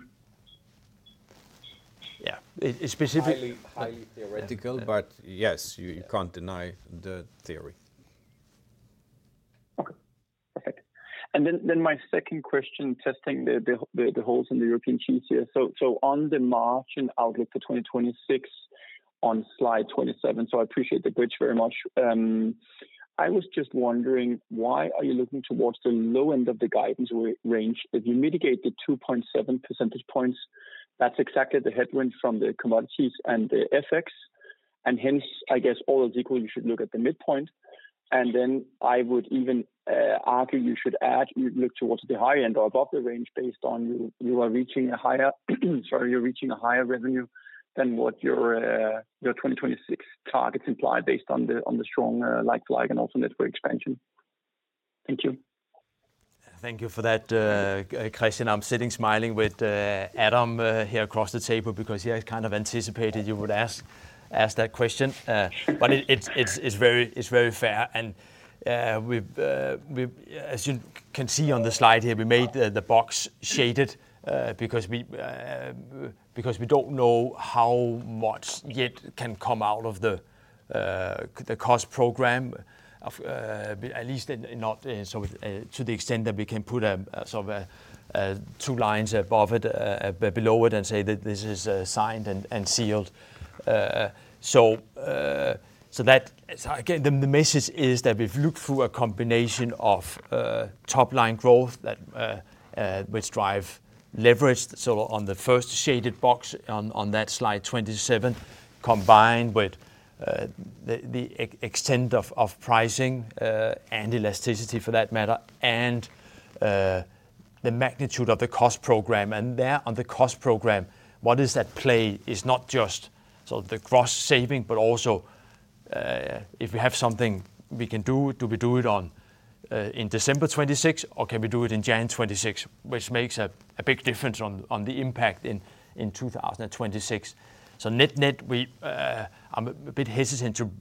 Yeah. it's specifically highly theoretical, but yes, you can't deny the theory. Okay, perfect. And then my second question, testing the holes in the European cheese here. So on the margin outlook for 2026 on slide 27, so I appreciate the bridge very much. I was just wondering, why are you looking towards the low end of the guidance range if you mitigate the 2.7 percentage points? That's exactly the headwind from the commodities and the FX. And hence, I guess all else equal, you should look at the midpoint. And then I would even argue you should add, you look towards the high end or above the range based on you are reaching a higher, sorry, you're reaching a higher revenue than what your 2026 targets imply based on the strong like-for-like and also network expansion. Thank you. Thank you for that, Kristian. I'm sitting smiling with Adam here across the table because he has kind of anticipated you would ask that question. But it's very fair. And as you can see on the slide here, we made the box shaded because we don't know how much yet can come out of the cost program, at least not to the extent that we can put sort of two lines above it, below it, and say that this is signed and sealed. So again, the message is that we've looked through a combination of top line growth that would drive leverage on the first shaded box on that slide 27, combined with the extent of pricing and elasticity for that matter, and the magnitude of the cost program. There on the cost program, what is at play is not just sort of the gross saving, but also if we have something we can do, do we do it in December 2026, or can we do it in January 2026, which makes a big difference on the impact in 2026. So net net, I'm a bit hesitant to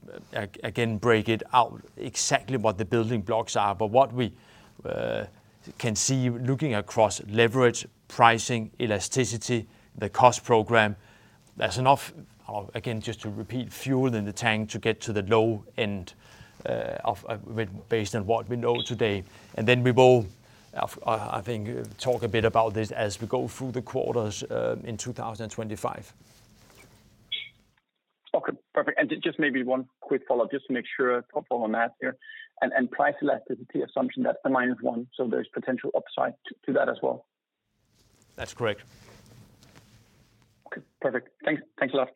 again break it out exactly what the building blocks are, but what we can see looking across leverage, pricing, elasticity, the cost program, there's enough, again, just to repeat, fuel in the tank to get to the low end based on what we know today. Then we will, I think, talk a bit about this as we go through the quarters in 2025. Okay, perfect. Just maybe one quick follow-up, just to make sure to follow the math here. And price elasticity assumption that's a minus one, so there's potential upside to that as well. That's correct. Okay, perfect. Thanks a lot.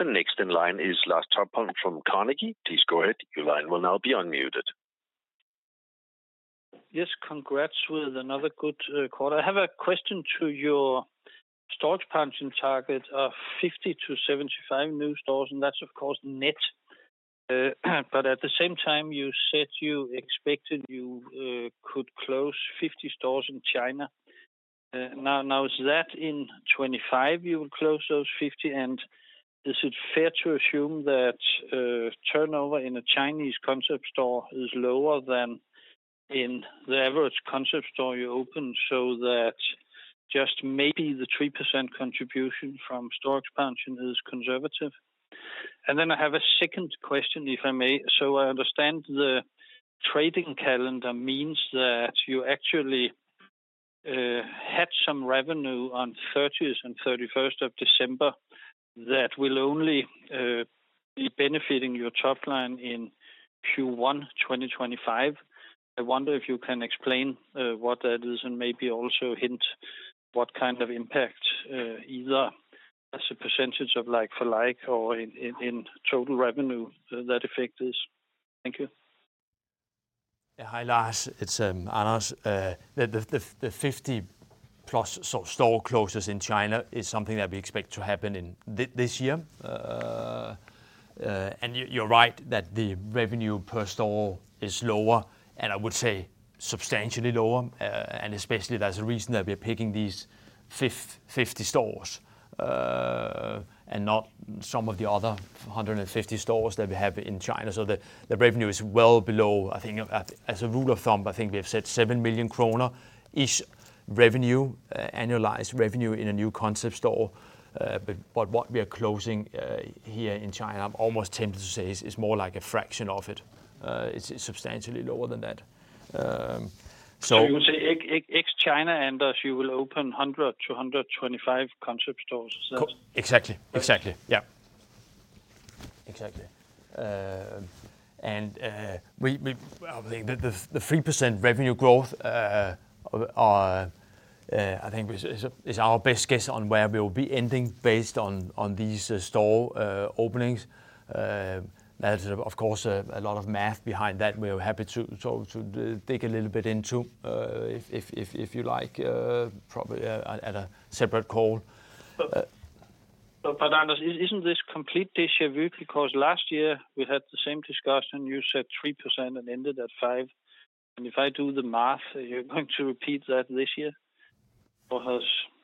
The next in line is Lars Topholm from Carnegie. Please go ahead. Your line will now be unmuted. Yes, congrats with another good quarter. I have a question to your store expansion target of 50-75 new stores, and that's of course net. But at the same time, you said you expected you could close 50 stores in China. Now, is that in 2025 you will close those 50? And is it fair to assume that turnover in a Chinese concept store is lower than in the average concept store you open so that just maybe the 3% contribution from store expansion is conservative? And then I have a second question, if I may. So I understand the trading calendar means that you actually had some revenue on 30th and 31st of December that will only be benefiting your top line in Q1 2025. I wonder if you can explain what that is and maybe also hint what kind of impact either as a percentage of like-for-like or in total revenue that effect is. Thank you. Yeah, hi Lars. It's Anders. The 50-plus store closes in China is something that we expect to happen this year. And you're right that the revenue per store is lower, and I would say substantially lower. And especially that's the reason that we're picking these 50 stores and not some of the other 150 stores that we have in China. So the revenue is well below. I think as a rule of thumb, I think we have said 7 million kroner is revenue, annualized revenue in a new concept store. But what we are closing here in China, I'm almost tempted to say, is more like a fraction of it. It's substantially lower than that. So you would say ex-China. Anders, you will open 100 to 125 concept stores. Exactly. Exactly. Yeah. Exactly. And I think the 3% revenue growth, I think it's our best guess on where we will be ending based on these store openings. Now, of course, a lot of math behind that we are happy to dig a little bit into if you like, probably at a separate call. But Anders, isn't this complete this week? Because last year we had the same discussion. You said 3% and ended at 5%. And if I do the math, you're going to repeat that this year? Or has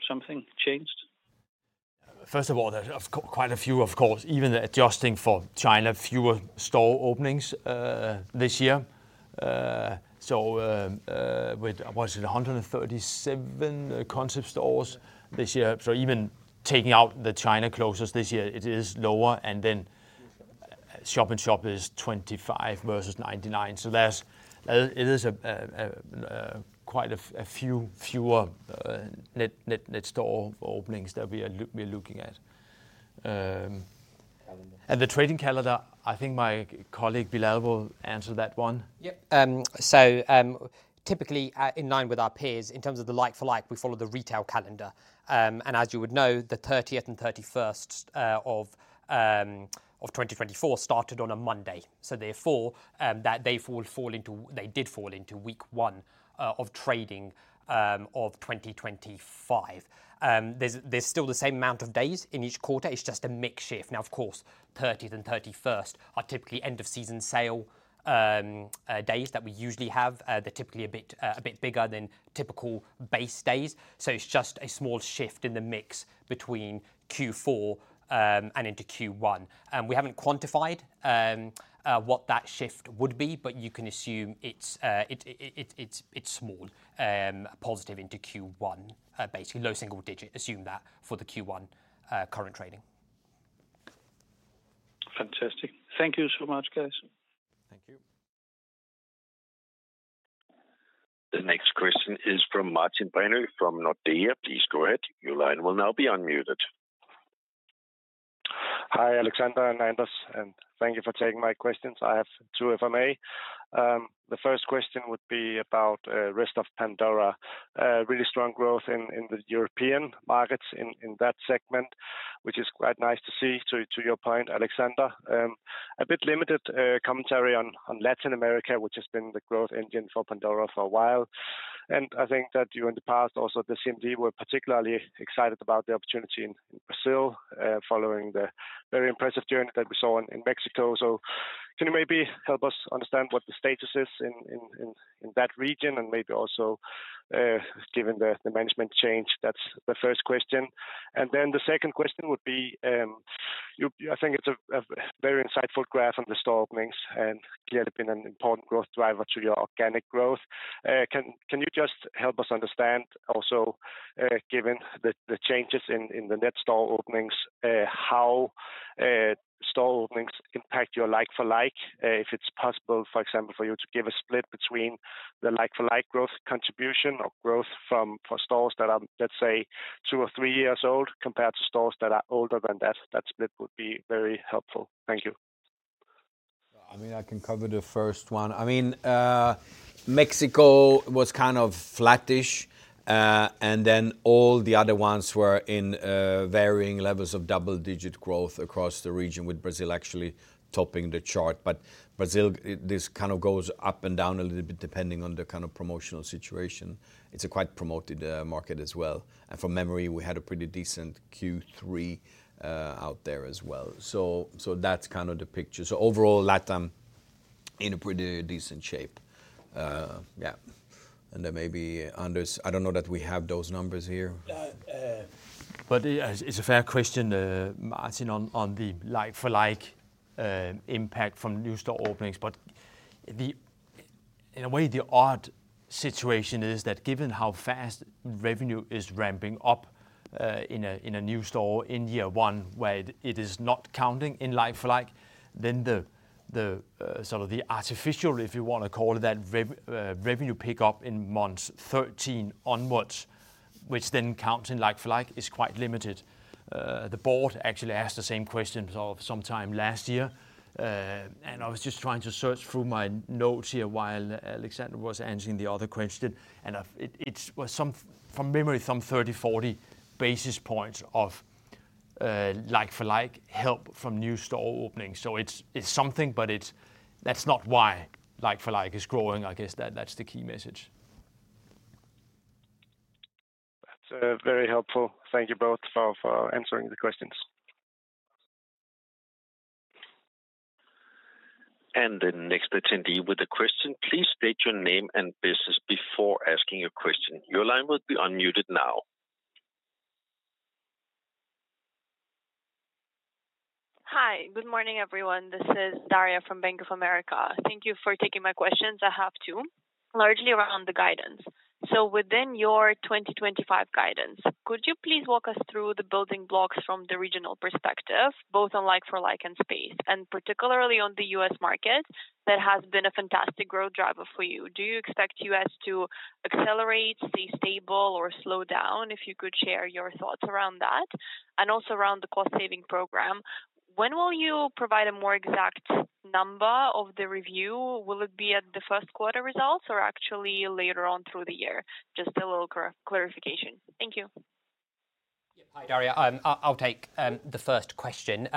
something changed? First of all, there's quite a few, of course. Even adjusting for China, fewer store openings this year. So what is it, 137 concept stores this year. So even taking out the China closures this year, it is lower. And then shop-in-shop is 25 versus 99. So there's quite a few fewer net store openings that we are looking at. And the trading calendar, I think my colleague Bilal will answer that one. Yep. So typically in line with our peers, in terms of the like-for-like, we follow the retail calendar. And as you would know, the 30th and 31st of 2024 started on a Monday. So therefore, they did fall into week one of trading of 2025. There's still the same amount of days in each quarter. It's just a mix shift. Now, of course, 30th and 31st are typically end of season sale days that we usually have. They're typically a bit bigger than typical base days. So it's just a small shift in the mix between Q4 and into Q1. We haven't quantified what that shift would be, but you can assume it's small, positive into Q1, basically low single digit. Assume that for the Q1 current trading. Fantastic. Thank you so much, guys. Thank you. The next question is from Martin Brenøe from Nordea. Please go ahead. Your line will now be unmuted. Hi, Alexander, and Anders. And thank you for taking my questions. I have two, if I may. The first question would be about rest of Pandora. Really strong growth in the European markets in that segment, which is quite nice to see, to your point, Alexander. A bit limited commentary on Latin America, which has been the growth engine for Pandora for a while. And I think that you in the past, also the CMD were particularly excited about the opportunity in Brazil following the very impressive journey that we saw in Mexico. So can you maybe help us understand what the status is in that region? And maybe also given the management change, that's the first question. And then the second question would be, I think it's a very insightful graph on the store openings and clearly been an important growth driver to your organic growth. Can you just help us understand also, given the changes in the net store openings, how store openings impact your like for like? If it's possible, for example, for you to give a split between the like for like growth contribution or growth from stores that are, let's say, two or three years old compared to stores that are older than that, that split would be very helpful. Thank you. I mean, I can cover the first one. I mean, Mexico was kind of flattish. And then all the other ones were in varying levels of double-digit growth across the region, with Brazil actually topping the chart. But Brazil, this kind of goes up and down a little bit depending on the kind of promotional situation. It's a quite promoted market as well. And from memory, we had a pretty decent Q3 out there as well. So that's kind of the picture. So overall, Latin in a pretty decent shape. Yeah. And then maybe Anders, I don't know that we have those numbers here. But it's a fair question, Martin, on the like for like impact from new store openings. But in a way, the odd situation is that given how fast revenue is ramping up in a new store in year one, where it is not counting in like for like, then the sort of the artificial, if you want to call it that, revenue pickup in months 13 onwards, which then counts in like for like, is quite limited. The board actually asked the same question sometime last year. And I was just trying to search through my notes here while Alexander was answering the other question. And it was from memory, some 30-40 basis points of like for like help from new store openings. So it's something, but that's not why like for like is growing. I guess that's the key message. That's very helpful. Thank you both for answering the questions. And the next attendee with the question, please state your name and business before asking your question. Your line will be unmuted now. Hi, good morning, everyone. This is Daria from Bank of America. Thank you for taking my questions. I have two, largely around the guidance. So within your 2025 guidance, could you please walk us through the building blocks from the regional perspective, both on like for like and space, and particularly on the U.S. market that has been a fantastic growth driver for you? Do you expect U.S. to accelerate, stay stable, or slow down? If you could share your thoughts around that and also around the cost-saving program? When will you provide a more exact number of the review? Will it be at the first quarter results or actually later on through the year? Just a little clarification. Thank you. Hi, Daria. I'll take the first question.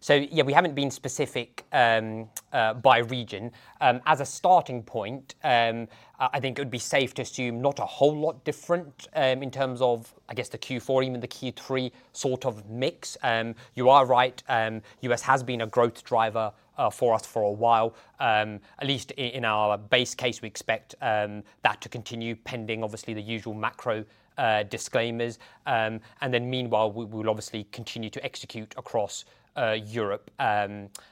So yeah, we haven't been specific by region. As a starting point, I think it would be safe to assume not a whole lot different in terms of, I guess, the Q4, even the Q3 sort of mix. You are right. U.S. has been a growth driver for us for a while. At least in our base case, we expect that to continue pending, obviously, the usual macro disclaimers. And then meanwhile, we will obviously continue to execute across Europe,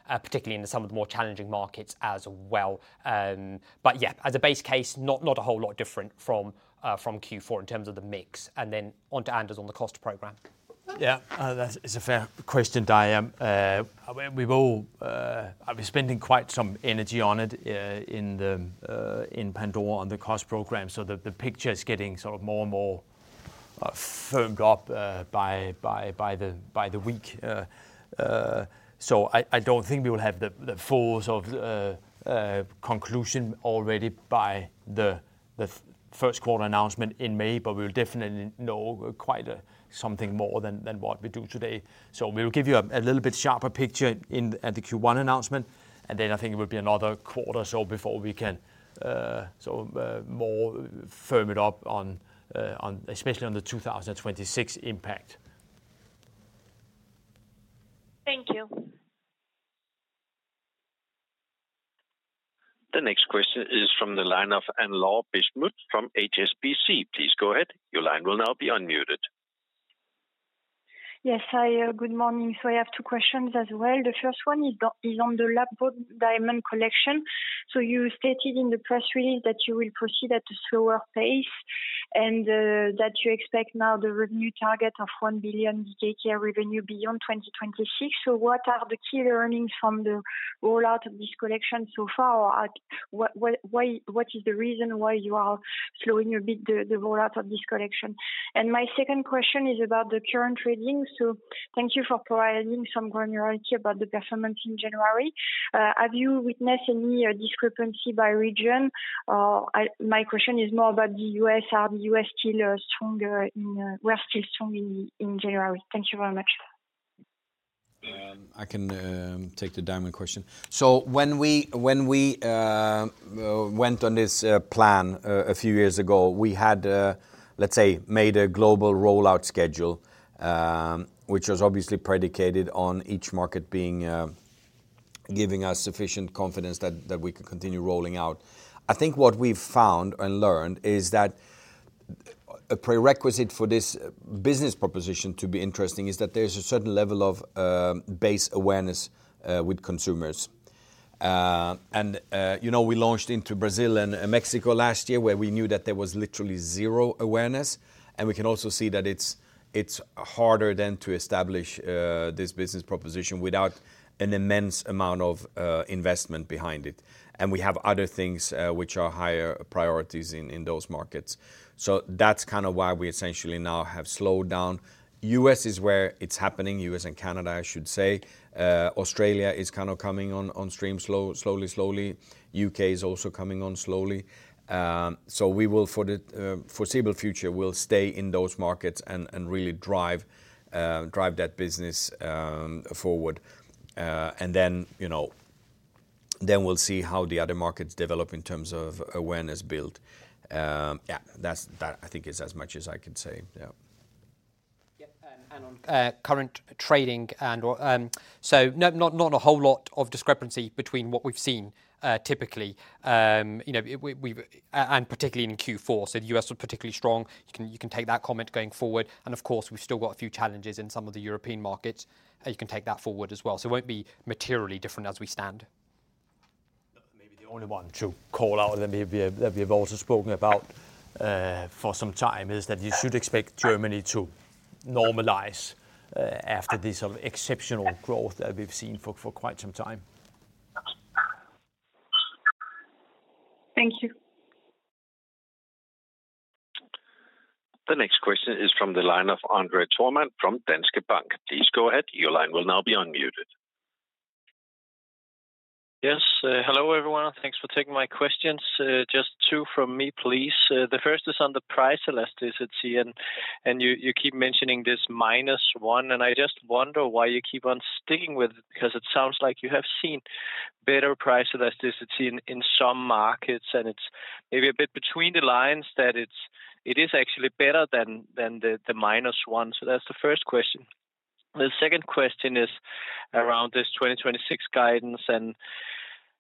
particularly in some of the more challenging markets as well. But yeah, as a base case, not a whole lot different from Q4 in terms of the mix. And then on to Anders on the cost program. Yeah, that is a fair question, Daria. We've all been spending quite some energy on it in Pandora on the cost program. So the picture is getting sort of more and more firmed up by the week. So I don't think we will have the full sort of conclusion already by the first quarter announcement in May, but we'll definitely know quite something more than what we do today. So we will give you a little bit sharper picture at the Q1 announcement. And then I think it will be another quarter or so before we can sort of more firm it up, especially on the 2026 impact. Thank you. The next question is from the line of Anne-Laure Bismuth from HSBC. Please go ahead. Your line will now be unmuted. Yes, hi, good morning. So I have two questions as well. The first one is on the lab-grown diamond collection. So you stated in the press release that you will proceed at a slower pace and that you expect now the revenue target of 1 billion DKK revenue beyond 2026. So what are the key learnings from the rollout of this collection so far? What is the reason why you are slowing a bit the rollout of this collection? And my second question is about the current trading. So thank you for providing some granularity about the performance in January. Have you witnessed any discrepancy by region? My question is more about the U.S. Are the U.S. still strong? We're still strong in January. Thank you very much. I can take the diamond question. So when we went on this plan a few years ago, we had, let's say, made a global rollout schedule, which was obviously predicated on each market giving us sufficient confidence that we could continue rolling out. I think what we've found and learned is that a prerequisite for this business proposition to be interesting is that there's a certain level of base awareness with consumers. And we launched into Brazil and Mexico last year, where we knew that there was literally zero awareness. And we can also see that it's harder then to establish this business proposition without an immense amount of investment behind it. And we have other things which are higher priorities in those markets. So that's kind of why we essentially now have slowed down. U.S. is where it's happening, U.S. and Canada, I should say. Australia is kind of coming on stream slowly, slowly. U.K. is also coming on slowly. So we will, for the foreseeable future, stay in those markets and really drive that business forward. And then we'll see how the other markets develop in terms of awareness build. Yeah, that I think is as much as I could say. Yeah. Yep. And on current trading, Anders. So not a whole lot of discrepancy between what we've seen typically. And particularly in Q4, so the U.S. was particularly strong. You can take that comment going forward. And of course, we've still got a few challenges in some of the European markets. You can take that forward as well. So it won't be materially different as we stand. Maybe the only one to call out that we have also spoken about for some time is that you should expect Germany to normalize after this exceptional growth that we've seen for quite some time. Thank you. The next question is from the line of André Thormann from Danske Bank. Please go ahead. Your line will now be unmuted. Yes. Hello, everyone. Thanks for taking my questions. Just two from me, please. The first is on the price elasticity, and you keep mentioning this minus one, and I just wonder why you keep on sticking with it, because it sounds like you have seen better price elasticity in some markets, and it's maybe a bit between the lines that it is actually better than the minus one. So that's the first question. The second question is around this 2026 guidance and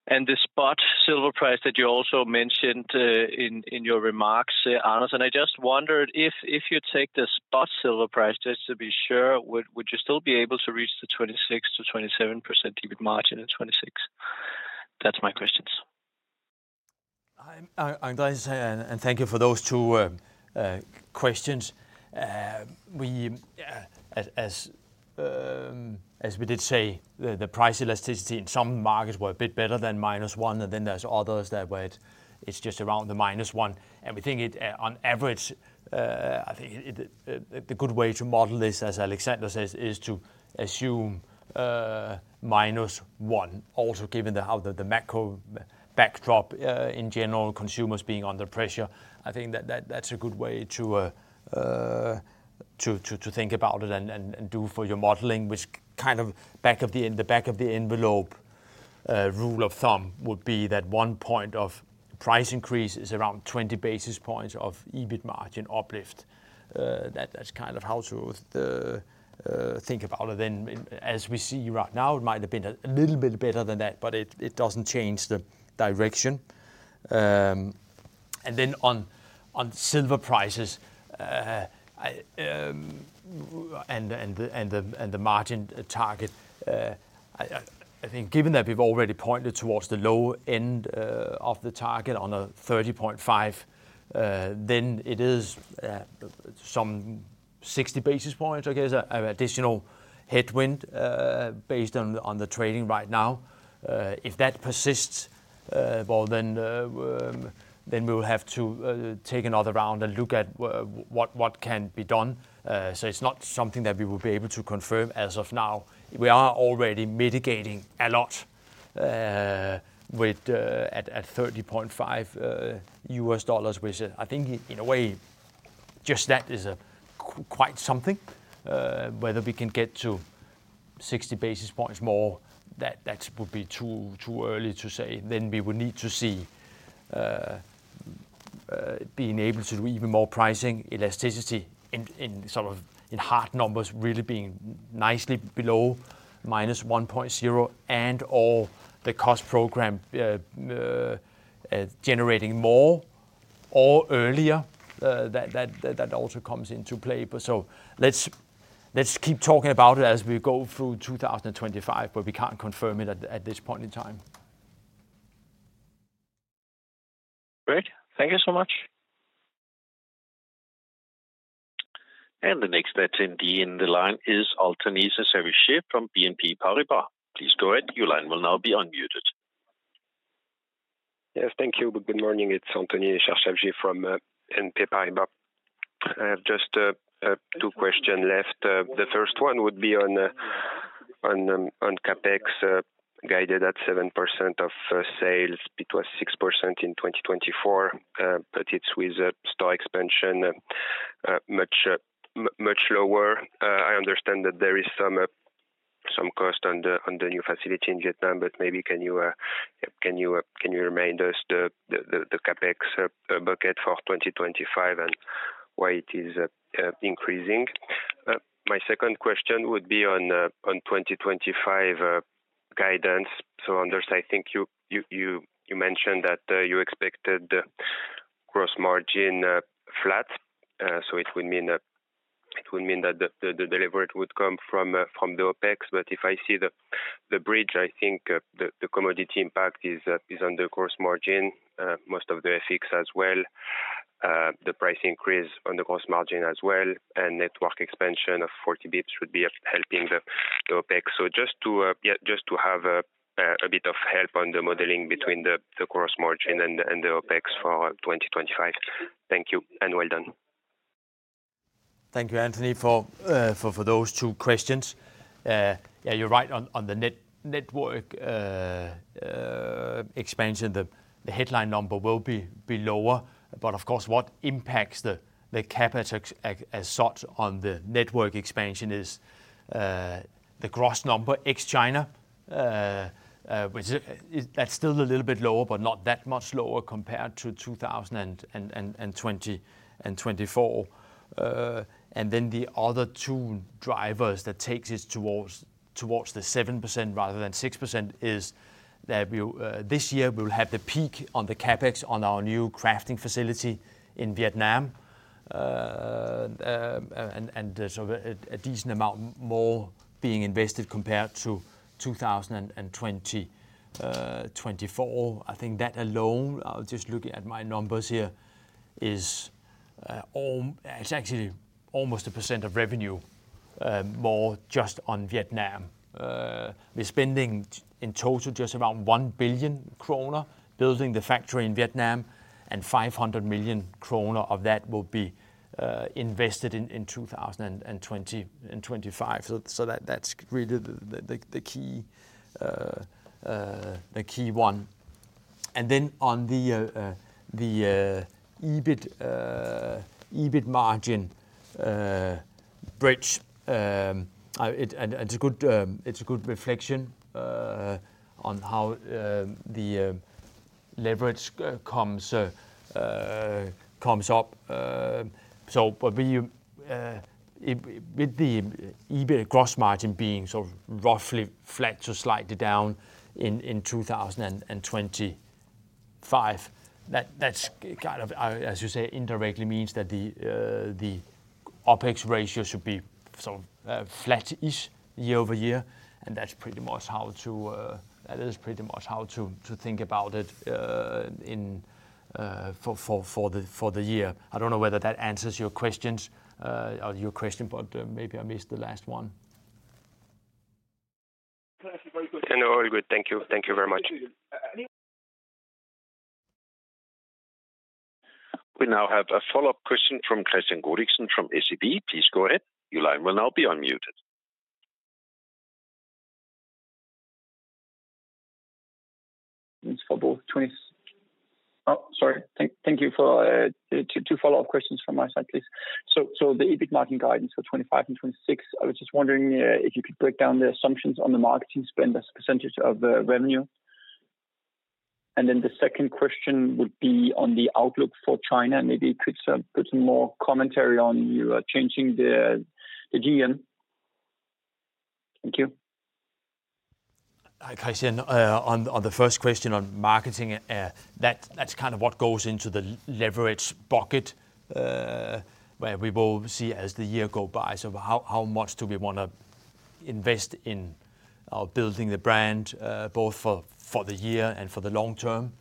the spot silver price that you also mentioned in your remarks, Anders, and I just wondered if you take the spot silver price, just to be sure, would you still be able to reach the 26%-27% EBIT margin in 2026? That's my questions. I'm glad to say, and thank you for those two questions. As we did say, the price elasticity in some markets were a bit better than minus one. And then there's others that where it's just around the minus one. And we think it on average, I think the good way to model this, as Alexander says, is to assume minus one, also given the macro backdrop in general, consumers being under pressure. I think that's a good way to think about it and do for your modeling, which kind of back of the envelope rule of thumb would be that one point of price increase is around 20 basis points of EBIT margin uplift. That's kind of how to think about it. Then as we see right now, it might have been a little bit better than that, but it doesn't change the direction. And then on silver prices and the margin target, I think given that we've already pointed towards the low end of the target on a $30.5, then it is some 60 basis points, I guess, an additional headwind based on the trading right now. If that persists, then we will have to take another round and look at what can be done. So it's not something that we will be able to confirm as of now. We are already mitigating a lot at $30.5, which I think in a way, just that is quite something. Whether we can get to 60 basis points more, that would be too early to say. Then we would need to see being able to do even more pricing elasticity in sort of hard numbers really being nicely below minus 1.0 and/or the cost program generating more or earlier. That also comes into play. So let's keep talking about it as we go through 2025, but we can't confirm it at this point in time. Great. Thank you so much, And the next attendee in the line is Anthony Charchafji from BNP Paribas. Please go ahead. Your line will now be unmuted. Yes, thank you. Good morning. It's Anthony Charchafji from BNP Paribas. I have just two questions left. The first one would be on CapEx guided at 7% of sales. It was 6% in 2024, but it was with store expansion much lower. I understand that there is some cost on the new facility in Vietnam, but maybe can you remind us the CapEx bucket for 2025 and why it is increasing? My second question would be on 2025 guidance. So Anders, I think you mentioned that you expected the gross margin flat. So it would mean that the delivery would come from the OPEX. But if I see the bridge, I think the commodity impact is on the gross margin, most of the FX as well. The price increase on the gross margin as well and network expansion of 40 basis points would be helping the OPEX. So just to have a bit of help on the modeling between the gross margin and the OPEX for 2025. Thank you and well done. Thank you, Anthony, for those two questions. Yeah, you're right on the network expansion. The headline number will be lower. But of course, what impacts the Capex as such on the network expansion is the gross number ex-China, which is still a little bit lower, but not that much lower compared to 2020 and 2024. And then the other two drivers that take us towards the 7% rather than 6% is that this year we will have the peak on the CapEx on our new crafting facility in Vietnam. And so a decent amount more being invested compared to 2024. I think that alone, I'll just look at my numbers here, is actually almost a percent of revenue more just on Vietnam. We're spending in total just around 1 billion kroner building the factory in Vietnam, and 500 million kroner of that will be invested in 2024 and 2025. So that's really the key one. And then on the EBIT margin bridge, it's a good reflection on how the leverage comes up. So with the EBIT gross margin being sort of roughly flat to slightly down in 2025, that's kind of, as you say, indirectly means that the OPEX ratio should be sort of flat-ish year over year. And that's pretty much how to, that is pretty much how to think about it for the year. I don't know whether that answers your questions or your question, but maybe I missed the last one. And we're all good. Thank you. Thank you very much. We now have a follow-up question from Kristian Godiksen from SEB. Please go ahead. Your line will now be unmuted. Oh, sorry. Thank you for two follow-up questions from my side, please. So the EBIT margin guidance for 2025 and 2026, I was just wondering if you could break down the assumptions on the marketing spend as a percentage of revenue. And then the second question would be on the outlook for China. Maybe you could put some more commentary on your changing the GM. Thank you. On the first question on marketing, that's kind of what goes into the leverage bucket where we will see as the year goes by. So how much do we want to invest in building the brand both for the year and for the long term?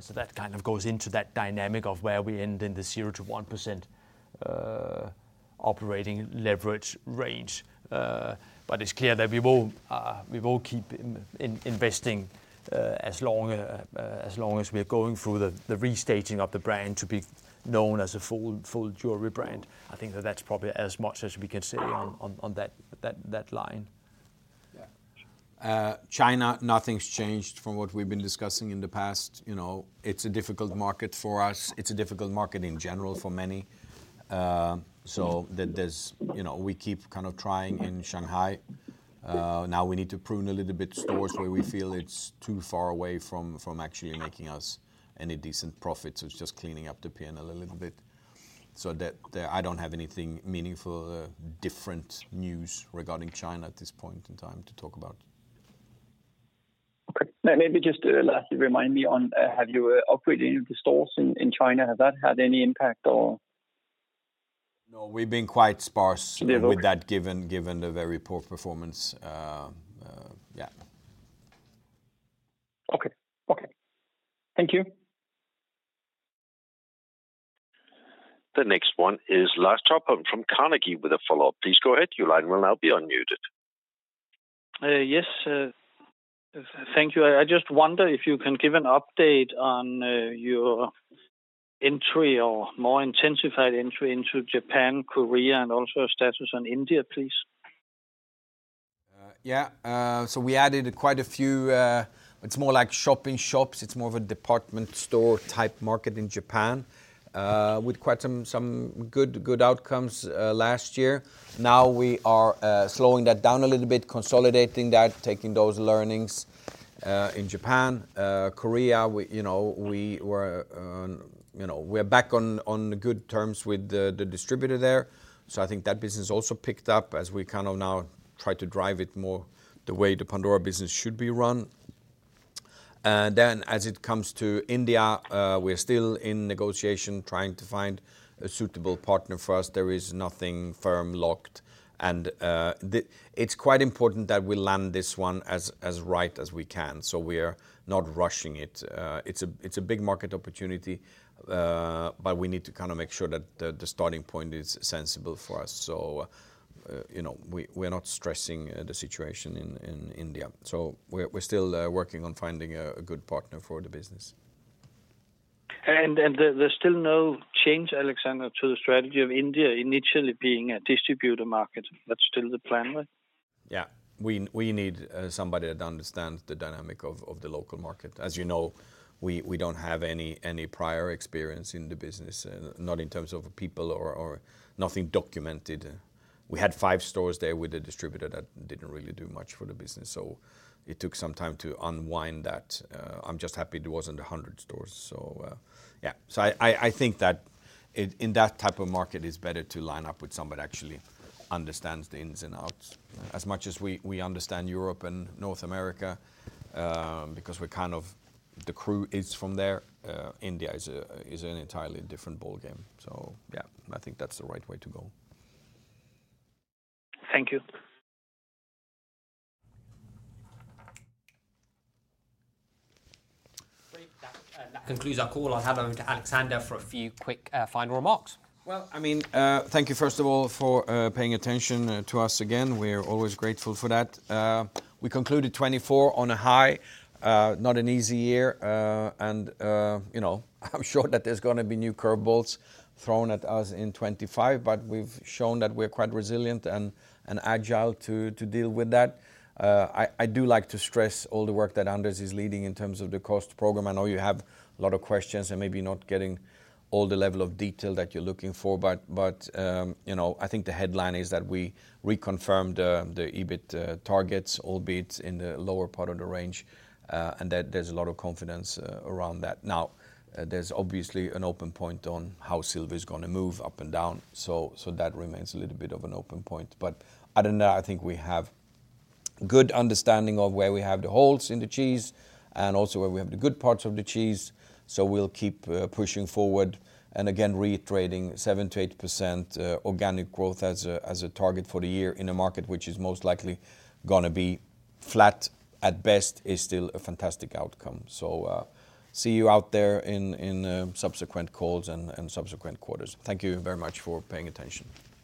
So that kind of goes into that dynamic of where we end in the 0%-1% operating leverage range. But it's clear that we will keep investing as long as we're going through the restaging of the brand to be known as a full jewelry brand. I think that that's probably as much as we can say on that line. Yeah. China, nothing's changed from what we've been discussing in the past. It's a difficult market for us. It's a difficult market in general for many. So we keep kind of trying in Shanghai. Now we need to prune a little bit stores where we feel it's too far away from actually making us any decent profits. It's just cleaning up the panel a little bit. So I don't have anything meaningful, different news regarding China at this point in time to talk about. Okay. Maybe just to remind me on, have you upgraded any of the stores in China? Has that had any impact or? No, we've been quite sparse with that given the very poor performance. Yeah. Okay. Okay. Thank you. The next one is Lars Topholm from Carnegie with a follow-up. Please go ahead. Your line will now be unmuted. Yes. Thank you. I just wonder if you can give an update on your entry or more intensified entry into Japan, Korea, and also status on India, please? Yeah, so we added quite a few. It's more like shop-in-shops. It's more of a department store type market in Japan with quite some good outcomes last year. Now we are slowing that down a little bit, consolidating that, taking those learnings in Japan, Korea. We're back on good terms with the distributor there. So I think that business also picked up as we kind of now try to drive it more the way the Pandora business should be run. Then as it comes to India, we're still in negotiation trying to find a suitable partner for us. There is nothing firm locked. And it's quite important that we land this one as right as we can. So we're not rushing it. It's a big market opportunity, but we need to kind of make sure that the starting point is sensible for us. So we're not stressing the situation in India. So we're still working on finding a good partner for the business. And there's still no change, Alexander, to the strategy of India initially being a distributor market. That's still the plan, right? Yeah. We need somebody that understands the dynamic of the local market. As you know, we don't have any prior experience in the business, not in terms of people or nothing documented. We had five stores there with a distributor that didn't really do much for the business. So it took some time to unwind that. I'm just happy there wasn't 100 stores. So yeah. So I think that in that type of market, it's better to line up with somebody that actually understands the ins and outs. As much as we understand Europe and North America, because we're kind of the crew is from there, India is an entirely different ball game. So yeah, I think that's the right way to go. Thank you. That concludes our call. I'll hand over to Alexander for a few quick final remarks. Well, I mean, thank you first of all for paying attention to us again. We're always grateful for that. We concluded 2024 on a high, not an easy year. And I'm sure that there's going to be new curveballs thrown at us in 2025, but we've shown that we're quite resilient and agile to deal with that. I do like to stress all the work that Anders is leading in terms of the cost program. I know you have a lot of questions and maybe not getting all the level of detail that you're looking for. But I think the headline is that we reconfirmed the EBIT targets, albeit in the lower part of the range, and there's a lot of confidence around that. Now, there's obviously an open point on how silver is going to move up and down. So that remains a little bit of an open point. But I think we have a good understanding of where we have the holes in the cheese and also where we have the good parts of the cheese. So we'll keep pushing forward and again, reiterating 7%-8% organic growth as a target for the year in a market which is most likely going to be flat at best is still a fantastic outcome. So see you out there in subsequent calls and subsequent quarters. Thank you very much for paying attention.